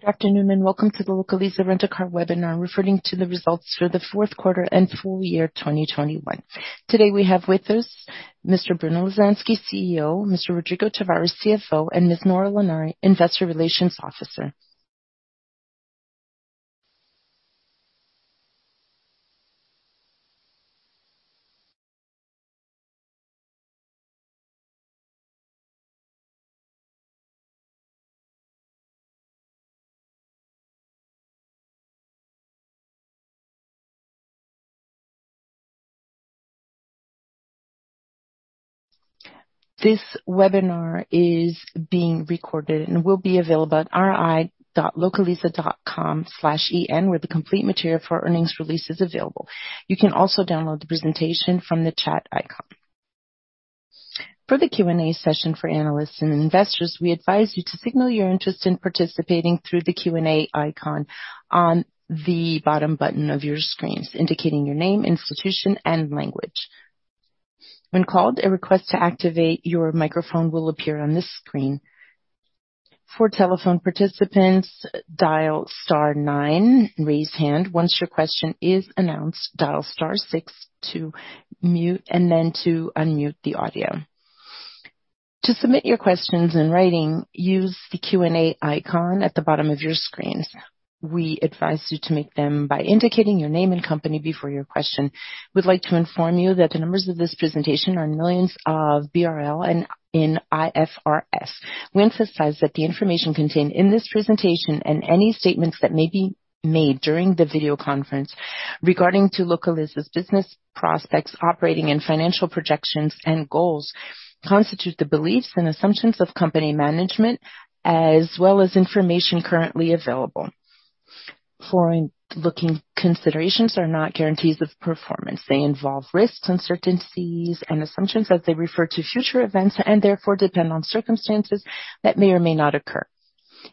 Good afternoon, and welcome to the Localiza Rent a Car webinar referring to the results for the fourth quarter and full year 2021. Today we have with us Mr. Bruno Lasansky, CEO, Mr. Rodrigo Tavares, CFO, and Ms. Nora Lanari, Investor Relations Officer. This webinar is being recorded and will be available at ri.localiza.com/en, where the complete material for earnings release is available. You can also download the presentation from the chat icon. For the Q&A session for analysts and investors, we advise you to signal your interest in participating through the Q&A icon on the bottom button of your screens, indicating your name, institution and language. When called, a request to activate your microphone will appear on this screen. For telephone participants, dial star nine, raise hand. Once your question is announced, dial star six to mute and then to unmute the audio. To submit your questions in writing, use the Q&A icon at the bottom of your screens. We advise you to make them by indicating your name and company before your question. We'd like to inform you that the numbers of this presentation are millions of BRL and in IFRS. We emphasize that the information contained in this presentation and any statements that may be made during the video conference regarding Localiza's business prospects, operating and financial projections and goals constitute the beliefs and assumptions of company management, as well as information currently available. Forward-looking statements are not guarantees of performance. They involve risks, uncertainties and assumptions that refer to future events and therefore depend on circumstances that may or may not occur.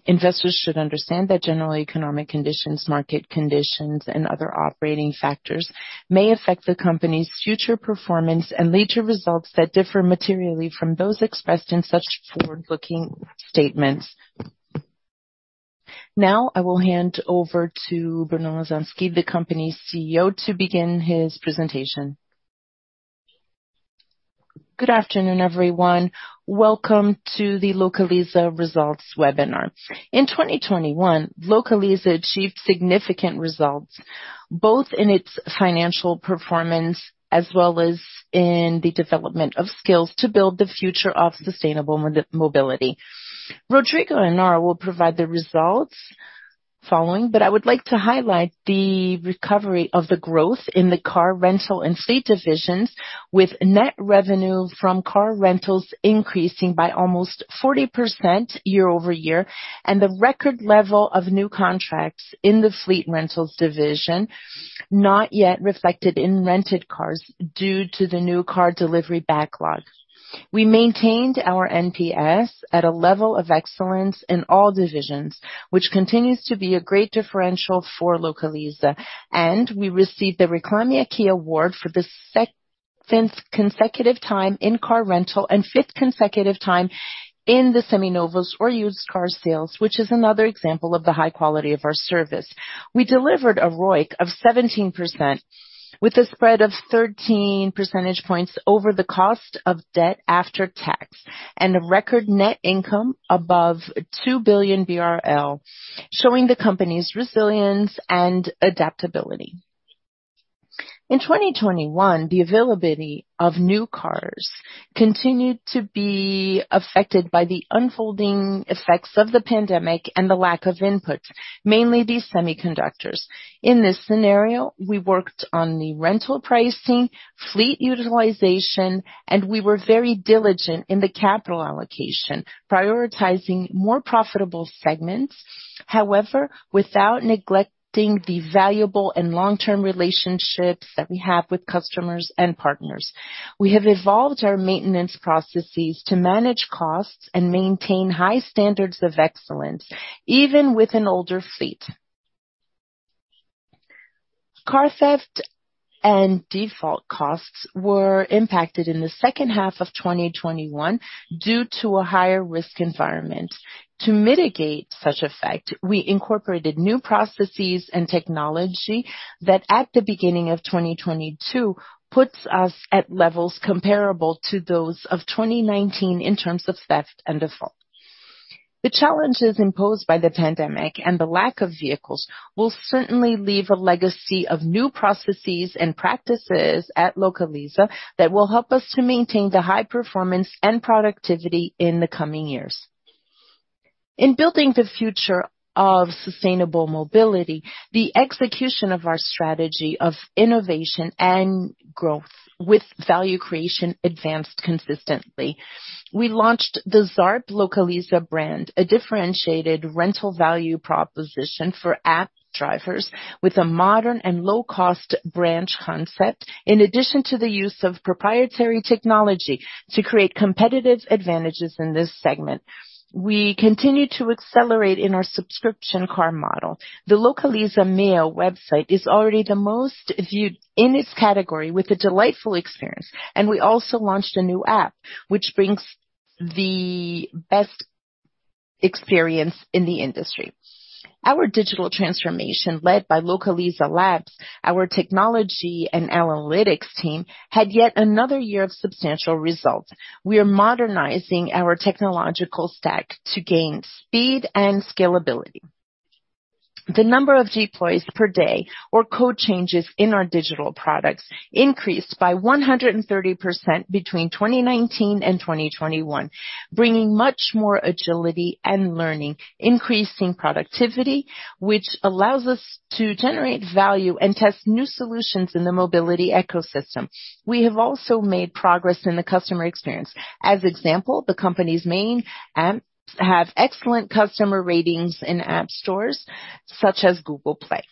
Investors should understand that general economic conditions, market conditions and other operating factors may affect the company's future performance and lead to results that differ materially from those expressed in such forward-looking statements. Now I will hand over to Bruno Lasansky, the company's CEO, to begin his presentation. Good afternoon, everyone. Welcome to the Localiza Results webinar. In 2021, Localiza achieved significant results both in its financial performance as well as in the development of skills to build the future of sustainable mobility. Rodrigo and Nora will provide the results following, but I would like to highlight the recovery of the growth in the car rental and fleet divisions, with net revenue from car rentals increasing by almost 40% year-over-year, and the record level of new contracts in the fleet rentals division, not yet reflected in rented cars due to the new car delivery backlog. We maintained our NPS at a level of excellence in all divisions, which continues to be a great differential for Localiza. We received the Reclame Aqui award for the second consecutive time in car rental and fifth consecutive time in the Seminovos or used car sales, which is another example of the high quality of our service. We delivered a ROIC of 17%, with a spread of 13 percentage points over the cost of debt after tax and a record net income above 2 billion BRL, showing the company's resilience and adaptability. In 2021, the availability of new cars continued to be affected by the unfolding effects of the pandemic and the lack of inputs, mainly the semiconductors. In this scenario, we worked on the rental pricing, fleet utilization, and we were very diligent in the capital allocation, prioritizing more profitable segments, however, without neglecting the valuable and long-term relationships that we have with customers and partners. We have evolved our maintenance processes to manage costs and maintain high standards of excellence, even with an older fleet. Car theft and default costs were impacted in the second half of 2021 due to a higher risk environment. To mitigate such effect, we incorporated new processes and technology that at the beginning of 2022, puts us at levels comparable to those of 2019 in terms of theft and default. The challenges imposed by the pandemic and the lack of vehicles will certainly leave a legacy of new processes and practices at Localiza that will help us to maintain the high performance and productivity in the coming years. In building the future of sustainable mobility, the execution of our strategy of innovation and growth with value creation advanced consistently. We launched the Zarp Localiza brand, a differentiated rental value proposition for app drivers with a modern and low-cost branch concept, in addition to the use of proprietary technology to create competitive advantages in this segment. We continue to accelerate in our subscription car model. The Localiza Meoo website is already the most viewed in its category with a delightful experience. We also launched a new app which brings the best experience in the industry. Our digital transformation led by Localiza Labs, our technology and analytics team, had yet another year of substantial results. We are modernizing our technological stack to gain speed and scalability. The number of deploys per day or code changes in our digital products increased by 130% between 2019 and 2021, bringing much more agility and learning, increasing productivity, which allows us to generate value and test new solutions in the mobility ecosystem. We have also made progress in the customer experience. As example, the company's main app have excellent customer ratings in app stores such as Google Play.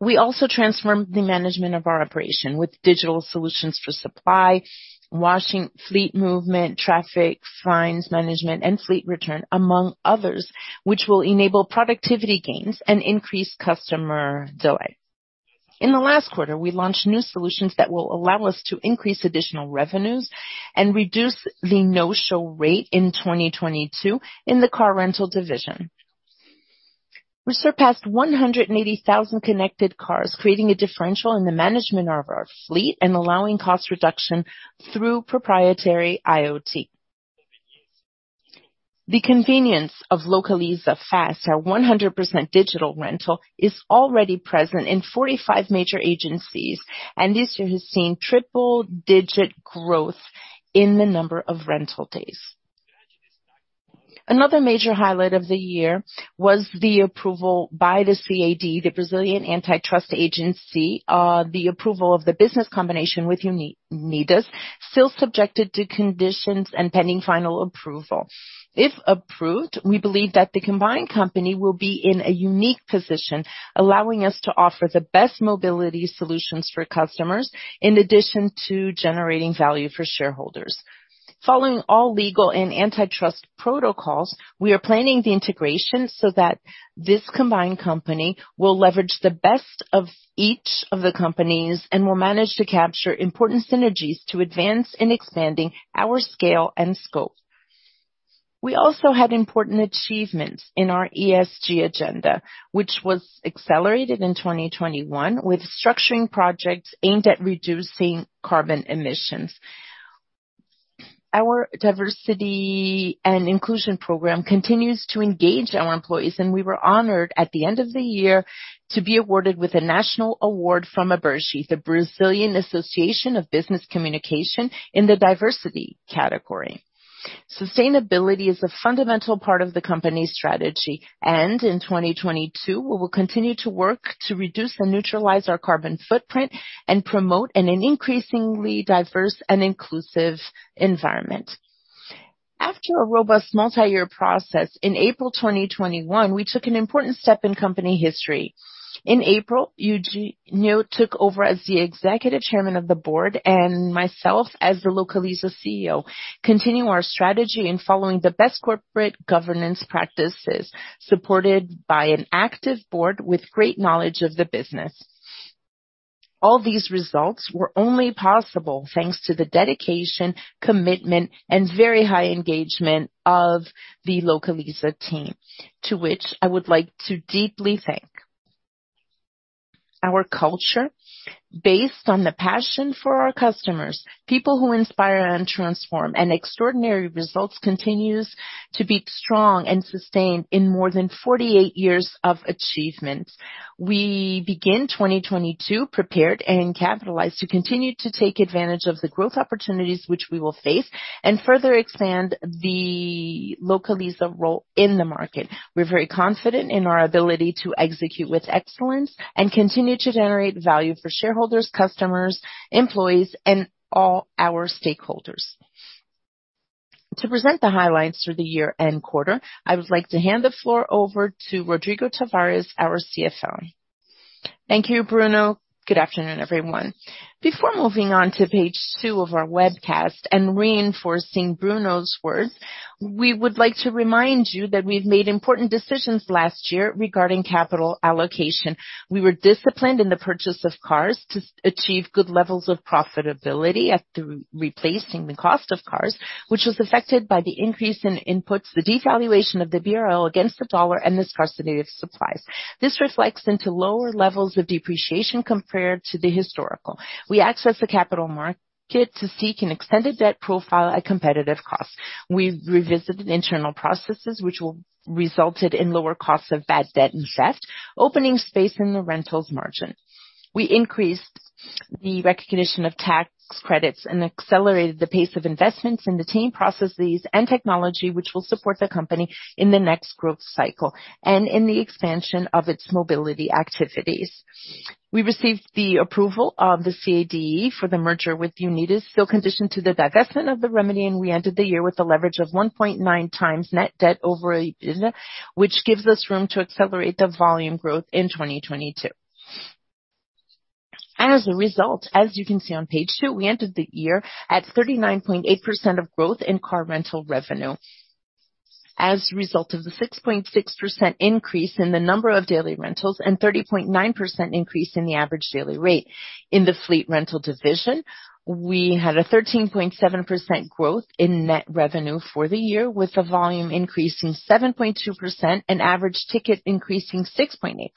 We also transformed the management of our operation with digital solutions for supply, washing, fleet movement, traffic, fines management, and fleet return, among others, which will enable productivity gains and decrease customer delay. In the last quarter, we launched new solutions that will allow us to increase additional revenues and reduce the no-show rate in 2022 in the car rental division. We surpassed 180,000 connected cars, creating a differential in the management of our fleet and allowing cost reduction through proprietary IoT. The convenience of Localiza Fast, our 100% digital rental, is already present in 45 major agencies, and this year has seen triple-digit growth in the number of rental days. Another major highlight of the year was the approval by the CADE, the Brazilian Antitrust Agency, the approval of the business combination with Unidas, still subjected to conditions and pending final approval. If approved, we believe that the combined company will be in a unique position, allowing us to offer the best mobility solutions for customers in addition to generating value for shareholders. Following all legal and antitrust protocols, we are planning the integration so that this combined company will leverage the best of each of the companies and will manage to capture important synergies to advance in expanding our scale and scope. We also had important achievements in our ESG agenda, which was accelerated in 2021 with structuring projects aimed at reducing carbon emissions. Our diversity and inclusion program continues to engage our employees, and we were honored at the end of the year to be awarded with a national award from Aberje, the Brazilian Association of Business Communication, in the diversity category. Sustainability is a fundamental part of the company's strategy, and in 2022, we will continue to work to reduce and neutralize our carbon footprint and promote an increasingly diverse and inclusive environment. After a robust multi-year process, in April 2021, we took an important step in company history. In April, Eugênio took over as the executive chairman of the board and myself as the Localiza CEO. We continue our strategy in following the best corporate governance practices, supported by an active board with great knowledge of the business. All these results were only possible thanks to the dedication, commitment, and very high engagement of the Localiza team, to which I would like to deeply thank. Our culture, based on the passion for our customers, people who inspire and transform, and extraordinary results continues to be strong and sustained in more than 48 years of achievements. We begin 2022 prepared and capitalized to continue to take advantage of the growth opportunities which we will face and further expand the Localiza role in the market. We're very confident in our ability to execute with excellence and continue to generate value for shareholders, customers, employees, and all our stakeholders. To present the highlights for the year and quarter, I would like to hand the floor over to Rodrigo Tavares, our CFO. Thank you, Bruno. Good afternoon, everyone. Before moving on to page two of our webcast and reinforcing Bruno's words, we would like to remind you that we've made important decisions last year regarding capital allocation. We were disciplined in the purchase of cars to achieve good levels of profitability at the replacement cost of cars, which was affected by the increase in inputs, the devaluation of the BRL against the dollar, and the scarcity of supplies. This reflects into lower levels of depreciation compared to the historical. We accessed the capital market to seek an extended debt profile at competitive cost. We revisited internal processes which resulted in lower costs of bad debt and theft, opening space in the rentals margin. We increased the recognition of tax credits and accelerated the pace of investments in the team processes and technology which will support the company in the next growth cycle and in the expansion of its mobility activities. We received the approval of the CADE for the merger with Unidas, still conditioned to the divestment of the remedy, and we ended the year with a leverage of 1.9 times net debt over EBITDA, which gives us room to accelerate the volume growth in 2022. As a result, as you can see on page two, we ended the year at 39.8% growth in car rental revenue. As a result of the 6.6% increase in the number of daily rentals and 30.9% increase in the average daily rate in the fleet rental division, we had a 13.7% growth in net revenue for the year, with the volume increasing 7.2% and average ticket increasing 6.8%.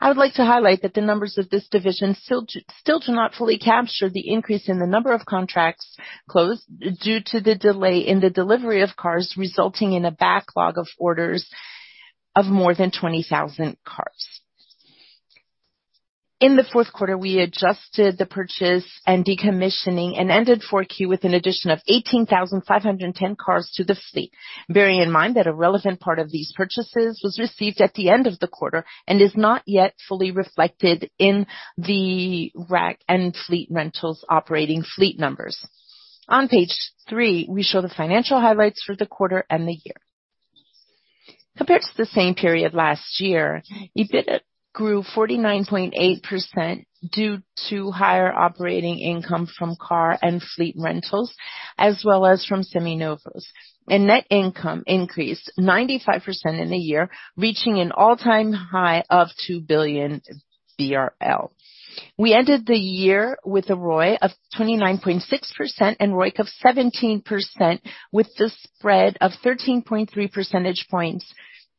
I would like to highlight that the numbers of this division still do not fully capture the increase in the number of contracts closed due to the delay in the delivery of cars, resulting in a backlog of orders of more than 20,000 cars. In the fourth quarter, we adjusted the purchase and decommissioning and ended 4Q with an addition of 18,500 cars to the fleet. Bearing in mind that a relevant part of these purchases was received at the end of the quarter and is not yet fully reflected in the RAC and fleet rentals operating fleet numbers. On page three, we show the financial highlights for the quarter and the year. Compared to the same period last year, EBIT grew 49.8% due to higher operating income from car and fleet rentals, as well as from Seminovos. Net income increased 95% in a year, reaching an all-time high of 2 billion BRL. We ended the year with a ROI of 29.6% and ROIC of 17%, with the spread of 13.3 percentage points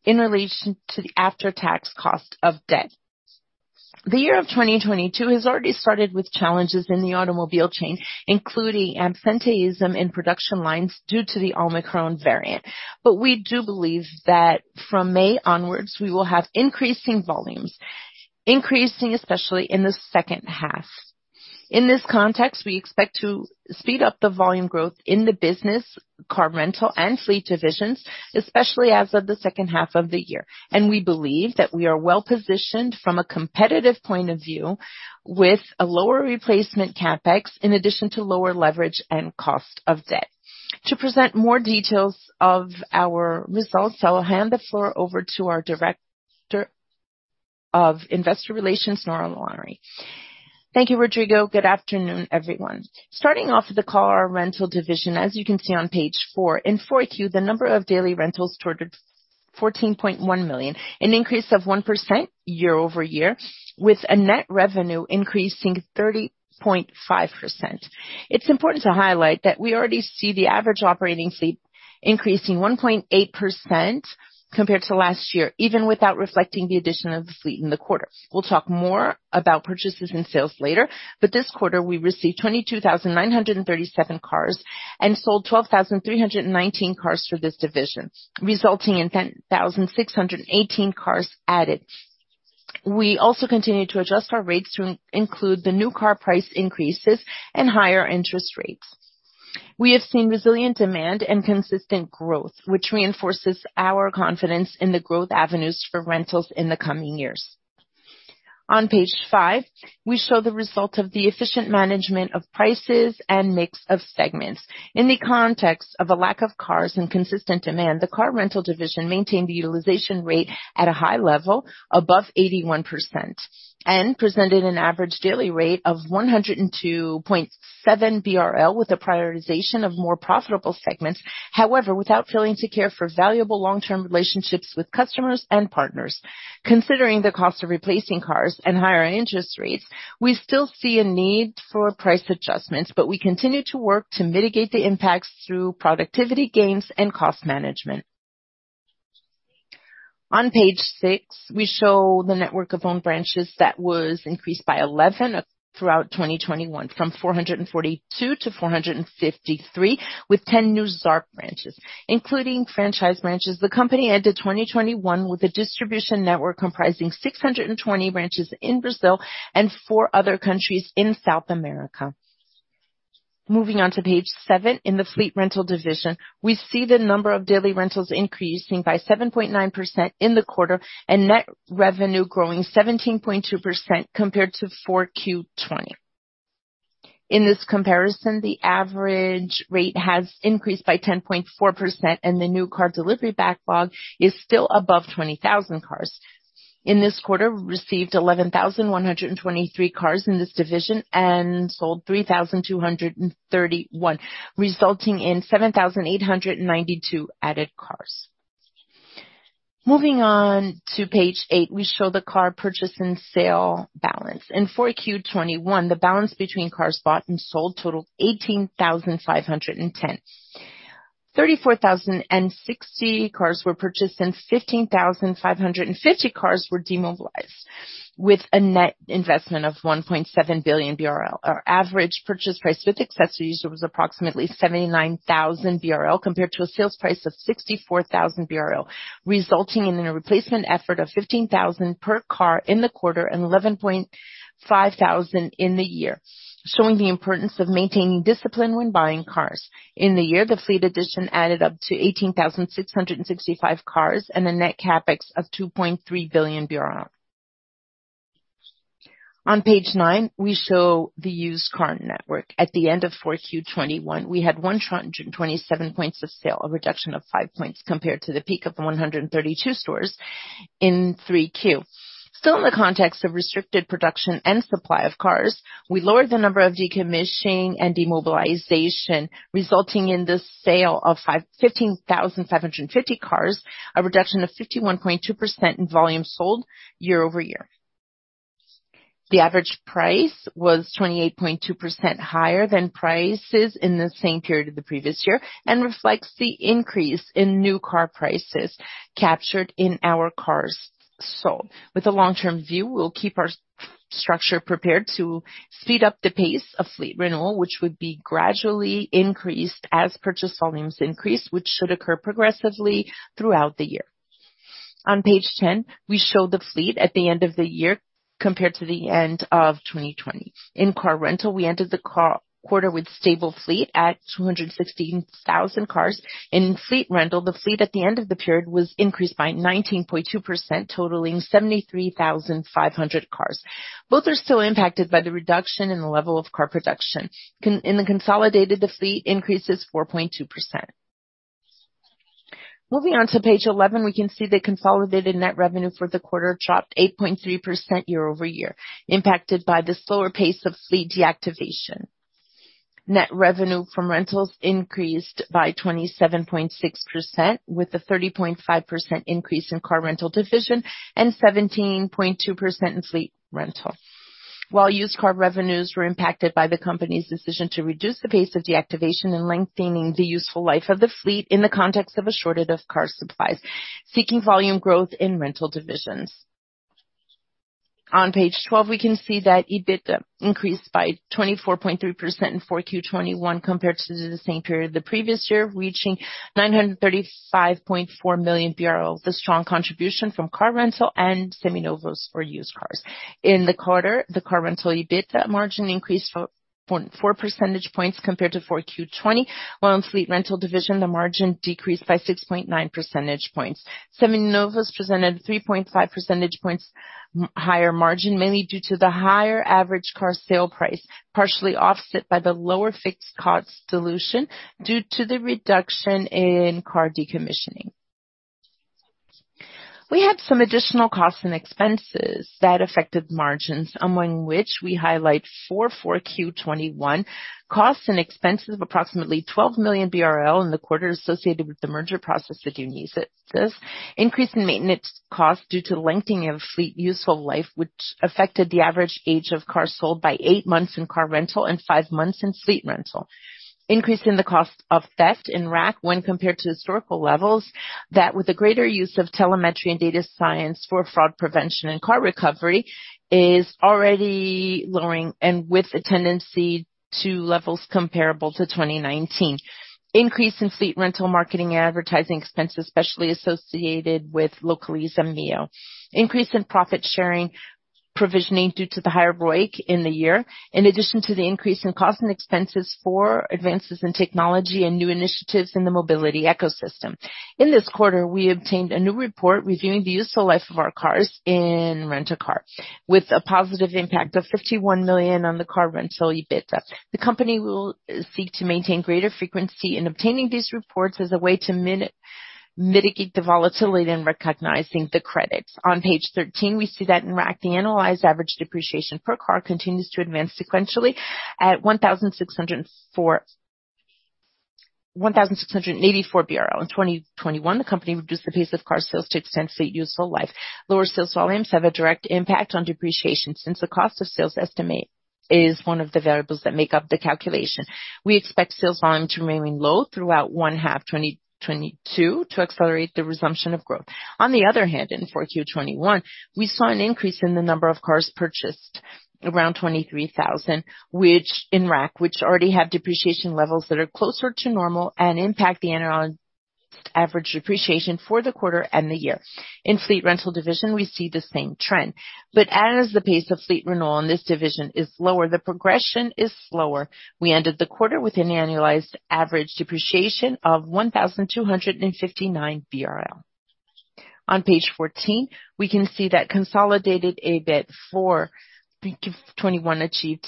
in relation to the after-tax cost of debt. The year of 2022 has already started with challenges in the automobile chain, including absenteeism in production lines due to the Omicron variant. We do believe that from May onwards, we will have increasing volumes, increasing especially in the second half. In this context, we expect to speed up the volume growth in the business, car rental and fleet divisions, especially as of the second half of the year. We believe that we are well-positioned from a competitive point of view with a lower replacement CapEx in addition to lower leverage and cost of debt. To present more details of our results, I will hand the floor over to our Director of Investor Relations, Nora Lanari. Thank you, Rodrigo. Good afternoon, everyone. Starting off with the car rental division. As you can see on page four, in 4Q, the number of daily rentals totaled 14.1 million, an increase of 1% year-over-year, with a net revenue increasing 30.5%. It's important to highlight that we already see the average operating fleet increasing 1.8% compared to last year, even without reflecting the addition of the fleet in the quarter. We'll talk more about purchases and sales later, but this quarter we received 22,937 cars and sold 12,319 cars for this division, resulting in 10,618 cars added. We also continue to adjust our rates to include the new car price increases and higher interest rates. We have seen resilient demand and consistent growth, which reinforces our confidence in the growth avenues for rentals in the coming years. On page five, we show the result of the efficient management of prices and mix of segments. In the context of a lack of cars and consistent demand, the car rental division maintained the utilization rate at a high level above 81% and presented an average daily rate of 102.7 BRL, with a prioritization of more profitable segments. However, without failing to care for valuable long-term relationships with customers and partners. Considering the cost of replacing cars and higher interest rates, we still see a need for price adjustments, but we continue to work to mitigate the impacts through productivity gains and cost management. On page six, we show the network of owned branches that was increased by 11 throughout 2021, from 442 to 453, with 10 new Zarp branches, including franchise branches. The company ended 2021 with a distribution network comprising 620 branches in Brazil and four other countries in South America. Moving on to page seven, in the fleet rental division, we see the number of daily rentals increasing by 7.9% in the quarter and net revenue growing 17.2% compared to 4Q 2020. In this comparison, the average rate has increased by 10.4% and the new car delivery backlog is still above 20,000 cars. In this quarter, we received 11,123 cars in this division and sold 3,231, resulting in 7,892 added cars. Moving on to page eight, we show the car purchase and sale balance. In 4Q 2021, the balance between cars bought and sold totaled 18,510. 34,060 cars were purchased and 15,550 cars were demobilized, with a net investment of 1.7 billion BRL. Our average purchase price with accessories was approximately 79,000 BRL compared to a sales price of 64,000 BRL, resulting in a replacement effort of 15,000 per car in the quarter and 11,500 in the year, showing the importance of maintaining discipline when buying cars. In the year, the fleet addition added up to 18,665 cars and a net CapEx of 2.3 billion. On page nine, we show the used car network. At the end of 4Q 2021, we had 127 points of sale, a reduction of five points compared to the peak of 132 stores in 3Q. Still in the context of restricted production and supply of cars, we lowered the number of decommissioning and demobilization, resulting in the sale of 15,750 cars, a reduction of 51.2% in volume sold year-over-year. The average price was 28.2% higher than prices in the same period of the previous year, and reflects the increase in new car prices captured in our cars sold. With a long-term view, we'll keep our structure prepared to speed up the pace of fleet renewal, which would be gradually increased as purchase volumes increase, which should occur progressively throughout the year. On page 10, we show the fleet at the end of the year compared to the end of 2020. In car rental, we ended the quarter with stable fleet at 216,000 cars. In fleet rental, the fleet at the end of the period was increased by 19.2%, totaling 73,500 cars. Both are still impacted by the reduction in the level of car production. In the consolidated, the fleet increase is 4.2%. Moving on to page 11, we can see the consolidated net revenue for the quarter dropped 8.3% year-over-year, impacted by the slower pace of fleet deactivation. Net revenue from rentals increased by 27.6% with a 30.5% increase in car rental division and 17.2% in fleet rental. Used car revenues were impacted by the company's decision to reduce the pace of deactivation and lengthening the useful life of the fleet in the context of a shortage of car supplies, seeking volume growth in rental divisions. On page 12, we can see that EBIT increased by 24.3% in 4Q 2021 compared to the same period the previous year, reaching 935.4 million. The strong contribution from car rental and Seminovos for used cars. In the quarter, the car rental EBIT margin increased 4.4 percentage points compared to 4Q 2020, while in fleet rental division, the margin decreased by 6.9 percentage points. Seminovos presented 3.5 percentage points higher margin, mainly due to the higher average car sale price, partially offset by the lower fixed cost dilution due to the reduction in car decommissioning. We had some additional costs and expenses that affected margins, among which we highlight for 4Q 2021 costs and expenses of approximately 12 million BRL in the quarter associated with the merger process with Unidas. Increase in maintenance costs due to lengthening of fleet useful life, which affected the average age of cars sold by eight months in car rental and five months in fleet rental. Increase in the cost of theft in RAC when compared to historical levels that, with the greater use of telemetry and data science for fraud prevention and car recovery, is already lowering and with a tendency to levels comparable to 2019. Increase in fleet rental marketing advertising expenses, especially associated with Localiza Meoo. Increase in profit sharing provisioning due to the higher ROIC in the year, in addition to the increase in costs and expenses for advances in technology and new initiatives in the mobility ecosystem. In this quarter, we obtained a new report reviewing the useful life of our cars in rent-a-car, with a positive impact of 51 million on the car rental EBIT. The company will seek to maintain greater frequency in obtaining these reports as a way to mitigate the volatility in recognizing the credits. On page 13, we see that in RAC, the analyzed average depreciation per car continues to advance sequentially at 1,684 BRL. In 2021, the company reduced the pace of car sales to extend fleet useful life. Lower sales volumes have a direct impact on depreciation since the cost of sales estimate is one of the variables that make up the calculation. We expect sales volumes remaining low throughout one half 2022 to accelerate the resumption of growth. On the other hand, in 4Q 2021, we saw an increase in the number of cars purchased around 23,000, which, in fact, already have depreciation levels that are closer to normal and impact the annual average depreciation for the quarter and the year. In fleet rental division, we see the same trend. As the pace of fleet renewal in this division is lower, the progression is slower. We ended the quarter with an annualized average depreciation of 1,259 BRL. On page 14, we can see that consolidated EBIT for 1Q 2021 achieved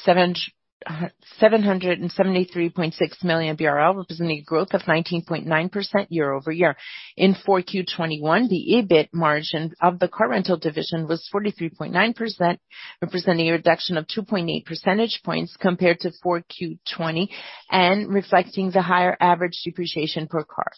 773.6 million BRL, representing a growth of 19.9% year-over-year. In 4Q 2021, the EBIT margin of the car rental division was 43.9%, representing a reduction of 2.8 percentage points compared to 4Q 2020, and reflecting the higher average depreciation per car.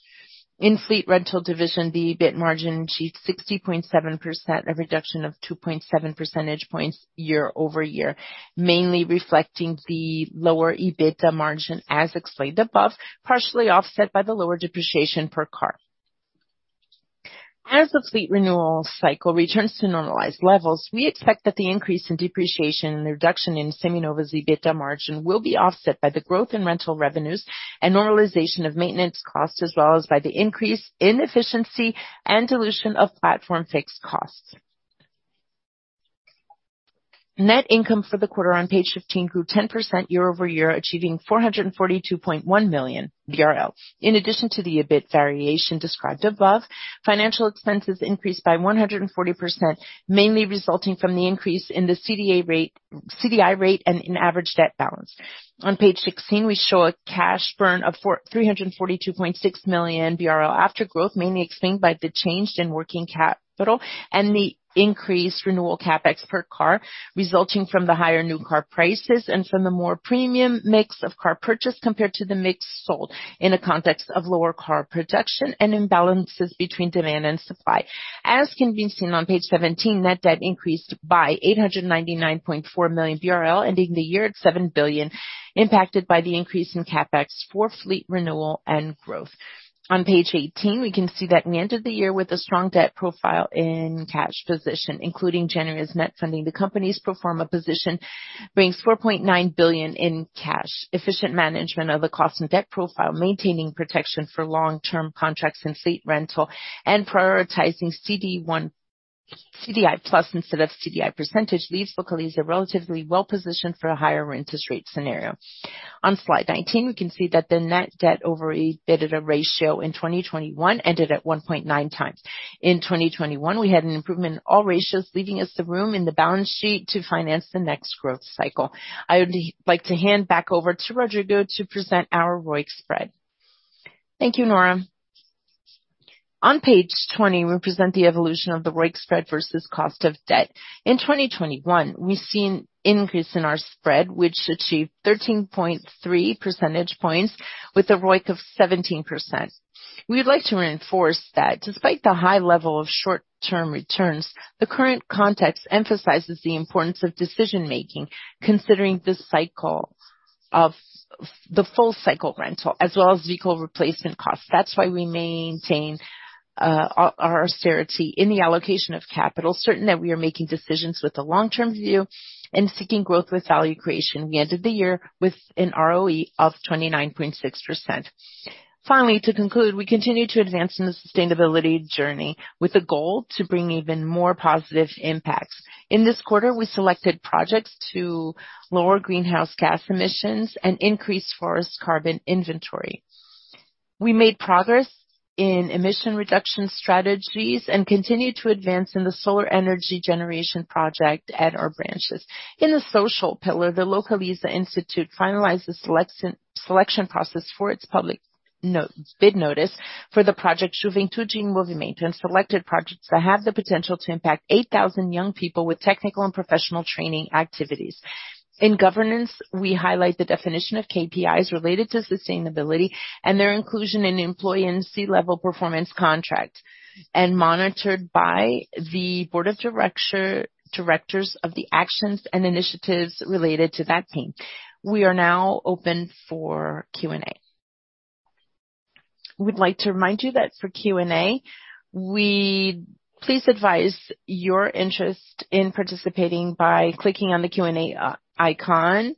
In fleet rental division, the EBIT margin achieved 60.7%, a reduction of 2.7 percentage points year-over-year, mainly reflecting the lower EBIT margin, as explained above, partially offset by the lower depreciation per car. As the fleet renewal cycle returns to normalized levels, we expect that the increase in depreciation and the reduction in Seminovos' EBIT margin will be offset by the growth in rental revenues and normalization of maintenance costs, as well as by the increase in efficiency and dilution of platform fixed costs. Net income for the quarter on page 15 grew 10% year-over-year, achieving 442.1 million. In addition to the EBIT variation described above, financial expenses increased by 140%, mainly resulting from the increase in the CDI rate and in average debt balance. On page 16, we show a cash burn of 443.6 million BRL after growth, mainly explained by the change in working capital and the increased renewal CapEx per car, resulting from the higher new car prices and from the more premium mix of car purchase compared to the mix sold in a context of lower car production and imbalances between demand and supply. As can be seen on page 17, net debt increased by 899.4 million BRL, ending the year at 7 billion, impacted by the increase in CapEx for fleet renewal and growth. On page 18, we can see that we ended the year with a strong debt profile in cash position, including generous net funding. The company's pro forma position brings 4.9 billion in cash. Efficient management of the cost and debt profile, maintaining protection for long-term contracts in fleet rental and prioritizing CDI plus instead of CDI percentage leaves Localiza relatively well-positioned for a higher interest rate scenario. On slide 19, we can see that the net debt over EBITDA ratio in 2021 ended at 1.9 times. In 2021, we had an improvement in all ratios, leaving us the room in the balance sheet to finance the next growth cycle. I would like to hand back over to Rodrigo to present our ROIC spread. Thank you, Nora. On page 20, we present the evolution of the ROIC spread versus cost of debt. In 2021, we've seen increase in our spread, which achieved 13.3 percentage points with a ROIC of 17%. We would like to reinforce that despite the high level of short-term returns, the current context emphasizes the importance of decision-making considering the cycle of the full cycle rental, as well as vehicle replacement costs. That's why we maintain our austerity in the allocation of capital, certain that we are making decisions with a long-term view and seeking growth with value creation. We ended the year with an ROE of 29.6%. Finally, to conclude, we continue to advance in the sustainability journey with a goal to bring even more positive impacts. In this quarter, we selected projects to lower greenhouse gas emissions and increase forest carbon inventory. We made progress in emission reduction strategies and continued to advance in the solar energy generation project at our branches. In the social pillar, the Instituto Localiza finalized the selection process for its public no-bid notice for the project Juventude em Movimento, and selected projects that have the potential to impact 8,000 young people with technical and professional training activities. In governance, we highlight the definition of KPIs related to sustainability and their inclusion in employee and C-level performance contract, and monitored by the Board of Directors of the actions and initiatives related to that theme. We are now open for Q&A. We'd like to remind you that for Q&A, please advise your interest in participating by clicking on the Q&A icon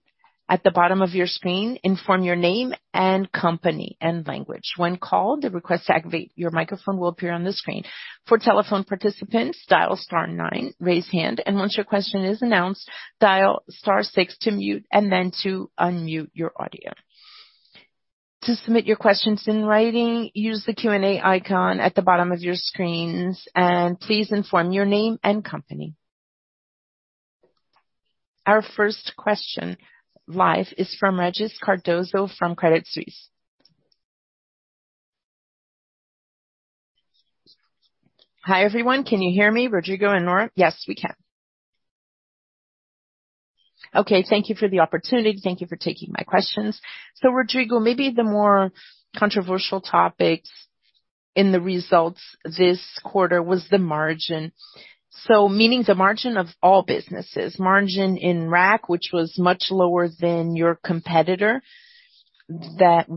at the bottom of your screen. Inform your name and company and language. When called, the request to activate your microphone will appear on the screen. For telephone participants, dial star nine, raise hand, and once your question is announced, dial star six to mute and then to unmute your audio. To submit your questions in writing, use the Q&A icon at the bottom of your screens and please inform your name and company. Our first question if from Regis Cardoso from Credit Suisse. Hi, everyone. Can you hear me, Rodrigo and Nora? Yes, we can. Okay. Thank you for the opportunity. Thank you for taking my questions. Rodrigo, maybe the more controversial topic in the results this quarter was the margin. Meaning the margin of all businesses. Margin in RAC, which was much lower than your competitor that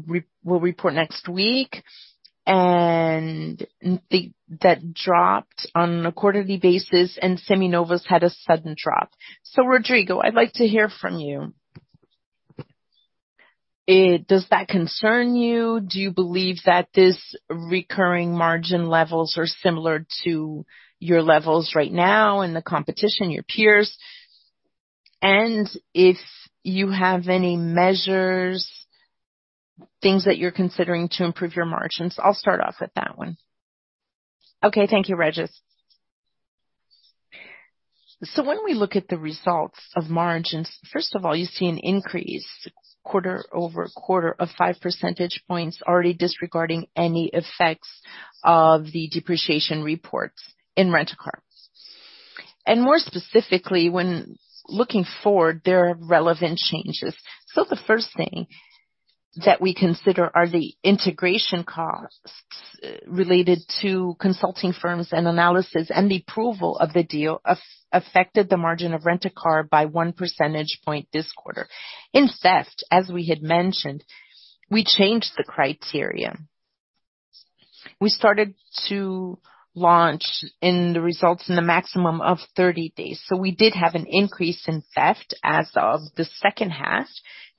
will report next week, and that dropped on a quarterly basis, and Seminovos had a sudden drop. Rodrigo, I'd like to hear from you. Does that concern you? Do you believe that this recurring margin levels are similar to your levels right now in the competition, your peers? If you have any measures, things that you're considering to improve your margins. I'll start off with that one. Okay. Thank you, Regis. When we look at the results of margins, first of all, you see an increase quarter-over-quarter of 5 percentage points, already disregarding any effects of the depreciation reports Rent-a-Car. more specifically, when looking forward, there are relevant changes. The first thing that we consider are the integration costs related to consulting firms and analysis and the approval of the deal affected the margin of Rent-a-Car by 1 percentage point this quarter. In the rest, as we had mentioned, we changed the criteria. We started to launch in the results in the maximum of 30 days. We did have an increase in theft as of the second half,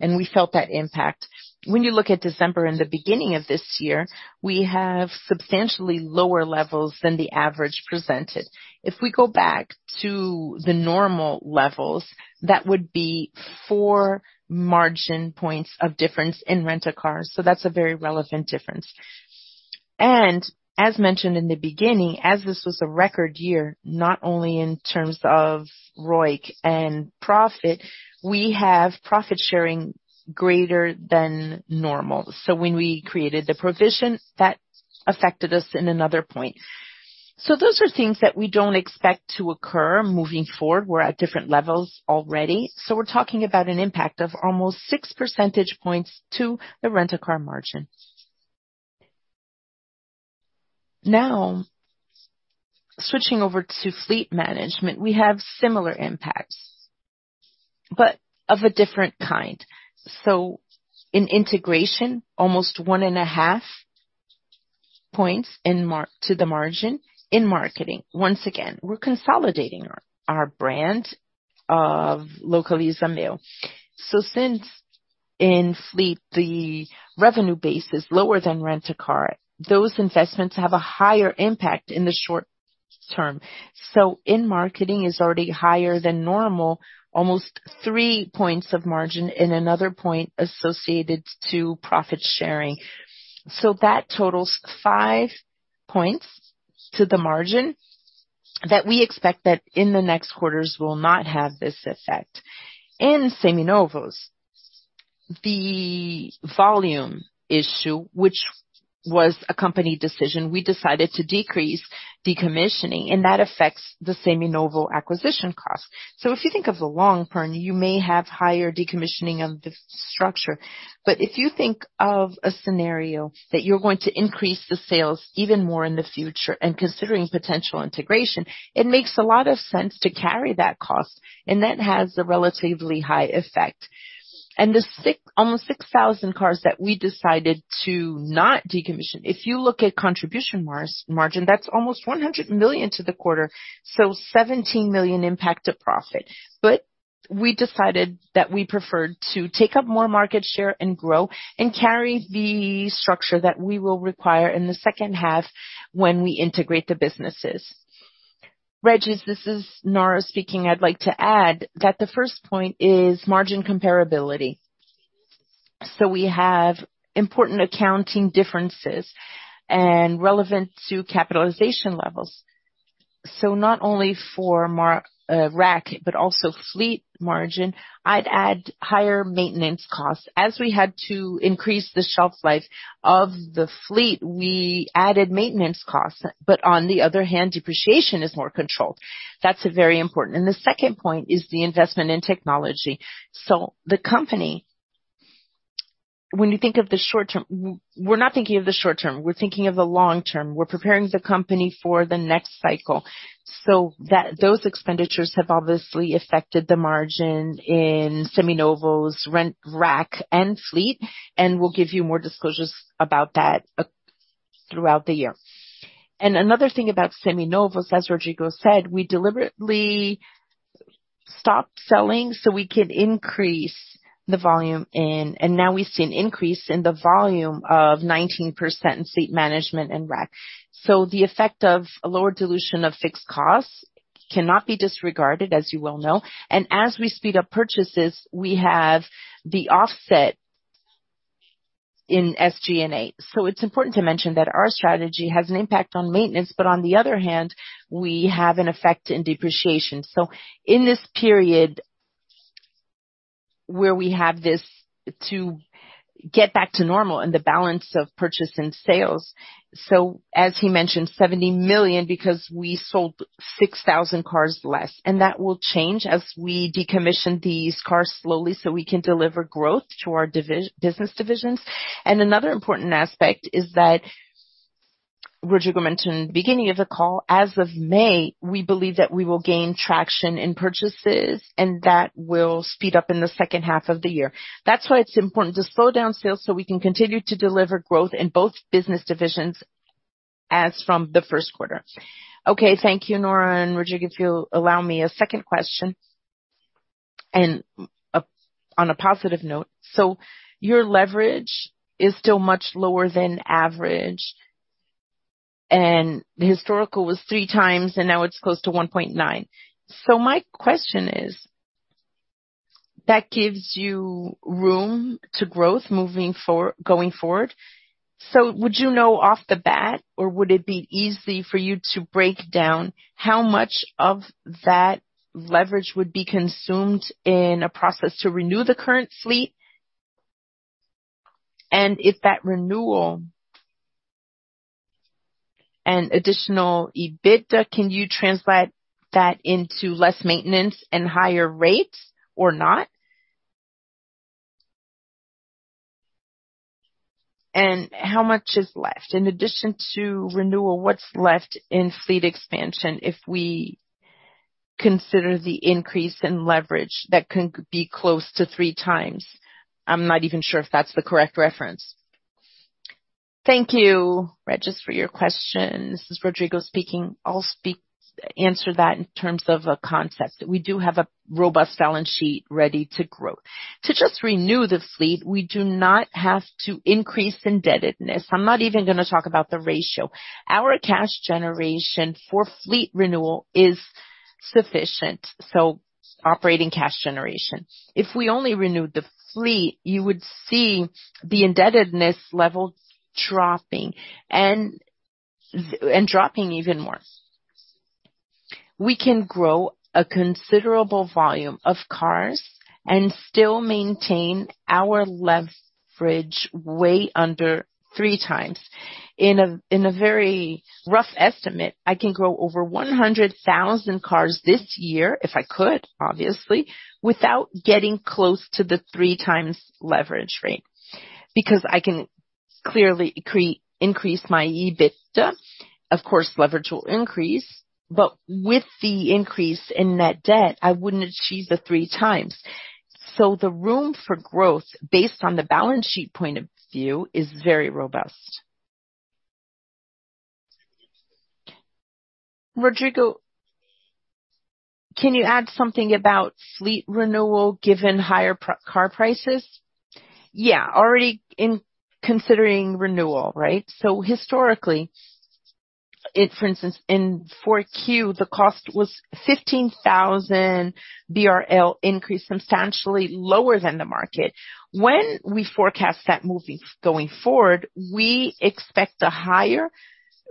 and we felt that impact. When you look at December and the beginning of this year, we have substantially lower levels than the average presented. If we go back to the normal levels, that would be 4 margin points of difference in Rent-a-Car. That's a very relevant difference. As mentioned in the beginning, as this was a record year, not only in terms of ROIC and profit, we have profit sharing greater than normal. When we created the provision, that affected us in another point. Those are things that we don't expect to occur moving forward. We're at different levels already. We're talking about an impact of almost 6 percentage points to the Rent-a-Car margin. Now, switching over to Fleet Management, we have similar impacts, but of a different kind. In integration, almost 1.5 points to the margin in marketing. Once again, we're consolidating our brand of Localiza Fleet. Since in fleet, the revenue base is lower than rent-a-car, those investments have a higher impact in the short term. In marketing is already higher than normal, almost 3 points of margin and another point associated to profit sharing. That totals 5 points to the margin that we expect in the next quarters will not have this effect. In Seminovos, the volume issue, which was a company decision, we decided to decrease decommissioning, and that affects the Seminovos acquisition cost. If you think of the long term, you may have higher decommissioning of the structure. If you think of a scenario that you're going to increase the sales even more in the future and considering potential integration, it makes a lot of sense to carry that cost, and that has a relatively high effect. Almost 6,000 cars that we decided to not decommission, if you look at contribution margin, that's almost 100 million to the quarter, so 17 million impact to profit. We decided that we preferred to take up more market share and grow and carry the structure that we will require in the second half when we integrate the businesses. Regis, this is Nora speaking. I'd like to add that the first point is margin comparability. We have important accounting differences and relevant to capitalization levels. Not only for RAC, but also fleet margin. I'd add higher maintenance costs. As we had to increase the shelf life of the fleet, we added maintenance costs. On the other hand, depreciation is more controlled. That's very important. The second point is the investment in technology. The company, when you think of the short term, we're not thinking of the short term, we're thinking of the long term. We're preparing the company for the next cycle. Those expenditures have obviously affected the margin in Seminovos, Rent-a-Car, RAC and fleet, and we'll give you more disclosures about that throughout the year. Another thing about Seminovos, as Rodrigo said, we deliberately stopped selling so we could increase the volume in. And now we see an increase in the volume of 19% in fleet management and RAC. The effect of a lower dilution of fixed costs cannot be disregarded, as you well know. As we speed up purchases, we have the offset in SG&A. It's important to mention that our strategy has an impact on maintenance, but on the other hand, we have an effect in depreciation. In this period where we have this to get back to normal and the balance of purchase and sales, as he mentioned, 70 million because we sold 6,000 cars less. That will change as we decommission these cars slowly so we can deliver growth to our business divisions. Another important aspect is that Rodrigo mentioned at the beginning of the call, as of May, we believe that we will gain traction in purchases, and that will speed up in the second half of the year. That's why it's important to slow down sales so we can continue to deliver growth in both business divisions as from the first quarter. Okay. Thank you, Nora and Rodrigo. If you'll allow me a second question and, on a positive note. Your leverage is still much lower than average, and historical was 3x, and now it's close to 1.9. My question is, that gives you room for growth going forward. Would you know off the bat, or would it be easy for you to break down how much of that leverage would be consumed in a process to renew the current fleet? If that renewal and additional EBITDA, can you translate that into less maintenance and higher rates or not? How much is left? In addition to renewal, what's left in fleet expansion if we consider the increase in leverage that can be close to 3x. I'm not even sure if that's the correct reference. Thank you, Regis, for your question. This is Rodrigo speaking. I'll answer that in terms of a context. We do have a robust balance sheet ready to grow. To just renew the fleet, we do not have to increase indebtedness. I'm not even gonna talk about the ratio. Our cash generation for fleet renewal is sufficient, so operating cash generation. If we only renewed the fleet, you would see the indebtedness level dropping and dropping even more. We can grow a considerable volume of cars and still maintain our leverage way under 3x. In a very rough estimate, I can grow over 100,000 cars this year, if I could, obviously, without getting close to the 3x leverage rate, because I can clearly increase my EBITDA. Of course, leverage will increase, but with the increase in net debt, I wouldn't achieve the 3x. The room for growth based on the balance sheet point of view is very robust. Rodrigo, can you add something about fleet renewal given higher car prices? Yeah. Already considering renewal, right? Historically, for instance, in 4Q, the cost was 15,000 BRL increase, substantially lower than the market. When we forecast that going forward, we expect a higher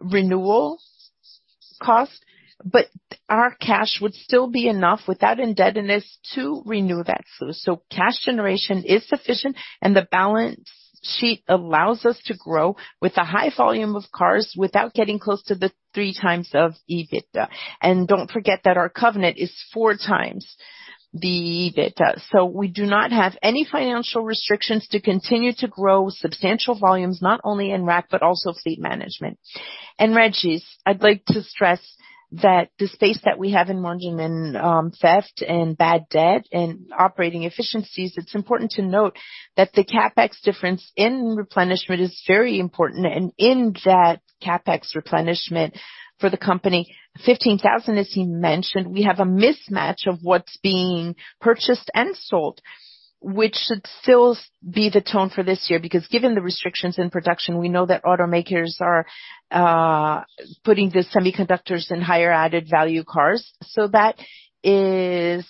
renewal cost, but our cash would still be enough without indebtedness to renew that fleet. Cash generation is sufficient, and the balance sheet allows us to grow with a high volume of cars without getting close to the 3x EBITDA. Don't forget that our covenant is 4x EBITDA. We do not have any financial restrictions to continue to grow substantial volumes, not only in RAC, but also fleet management. Regis, I'd like to stress that the space that we have in margin and theft and bad debt and operating efficiencies. It's important to note that the CapEx difference in replenishment is very important. In that CapEx replenishment for the company, 15,000, as he mentioned, we have a mismatch of what's being purchased and sold, which should still be the tone for this year. Because given the restrictions in production, we know that automakers are putting the semiconductors in higher added value cars. That is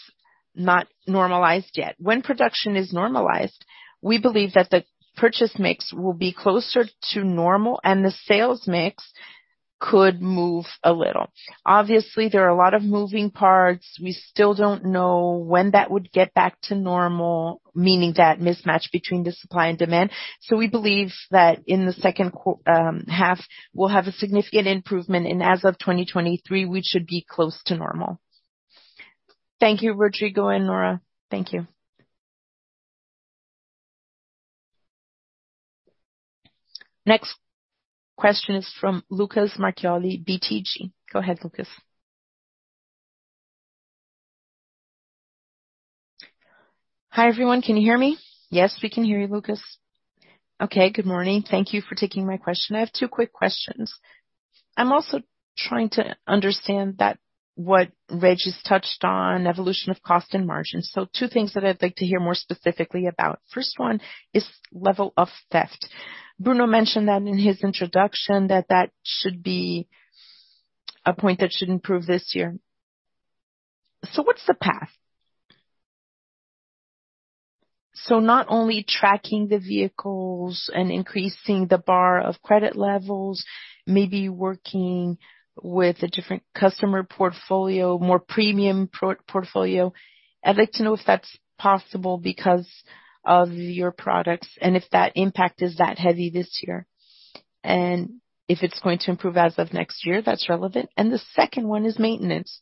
not normalized yet. When production is normalized, we believe that the purchase mix will be closer to normal and the sales mix could move a little. Obviously, there are a lot of moving parts. We still don't know when that would get back to normal, meaning that mismatch between the supply and demand. We believe that in the second half, we'll have a significant improvement, and as of 2023, we should be close to normal. Thank you, Rodrigo and Nora. Thank you. Next question is from Lucas Marquiori, BTG. Go ahead, Lucas. Hi, everyone. Can you hear me? Yes, we can hear you, Lucas. Okay. Good morning. Thank you for taking my question. I have two quick questions. I'm also trying to understand what Regis touched on, evolution of cost and margins. Two things that I'd like to hear more specifically about. First one is level of theft. Bruno mentioned that in his introduction that should be a point that should improve this year. What's the path? Not only tracking the vehicles and increasing the bar of credit levels, maybe working with a different customer portfolio, more premium portfolio. I'd like to know if that's possible because of your products and if that impact is that heavy this year, and if it's going to improve as of next year, that's relevant. The second one is maintenance.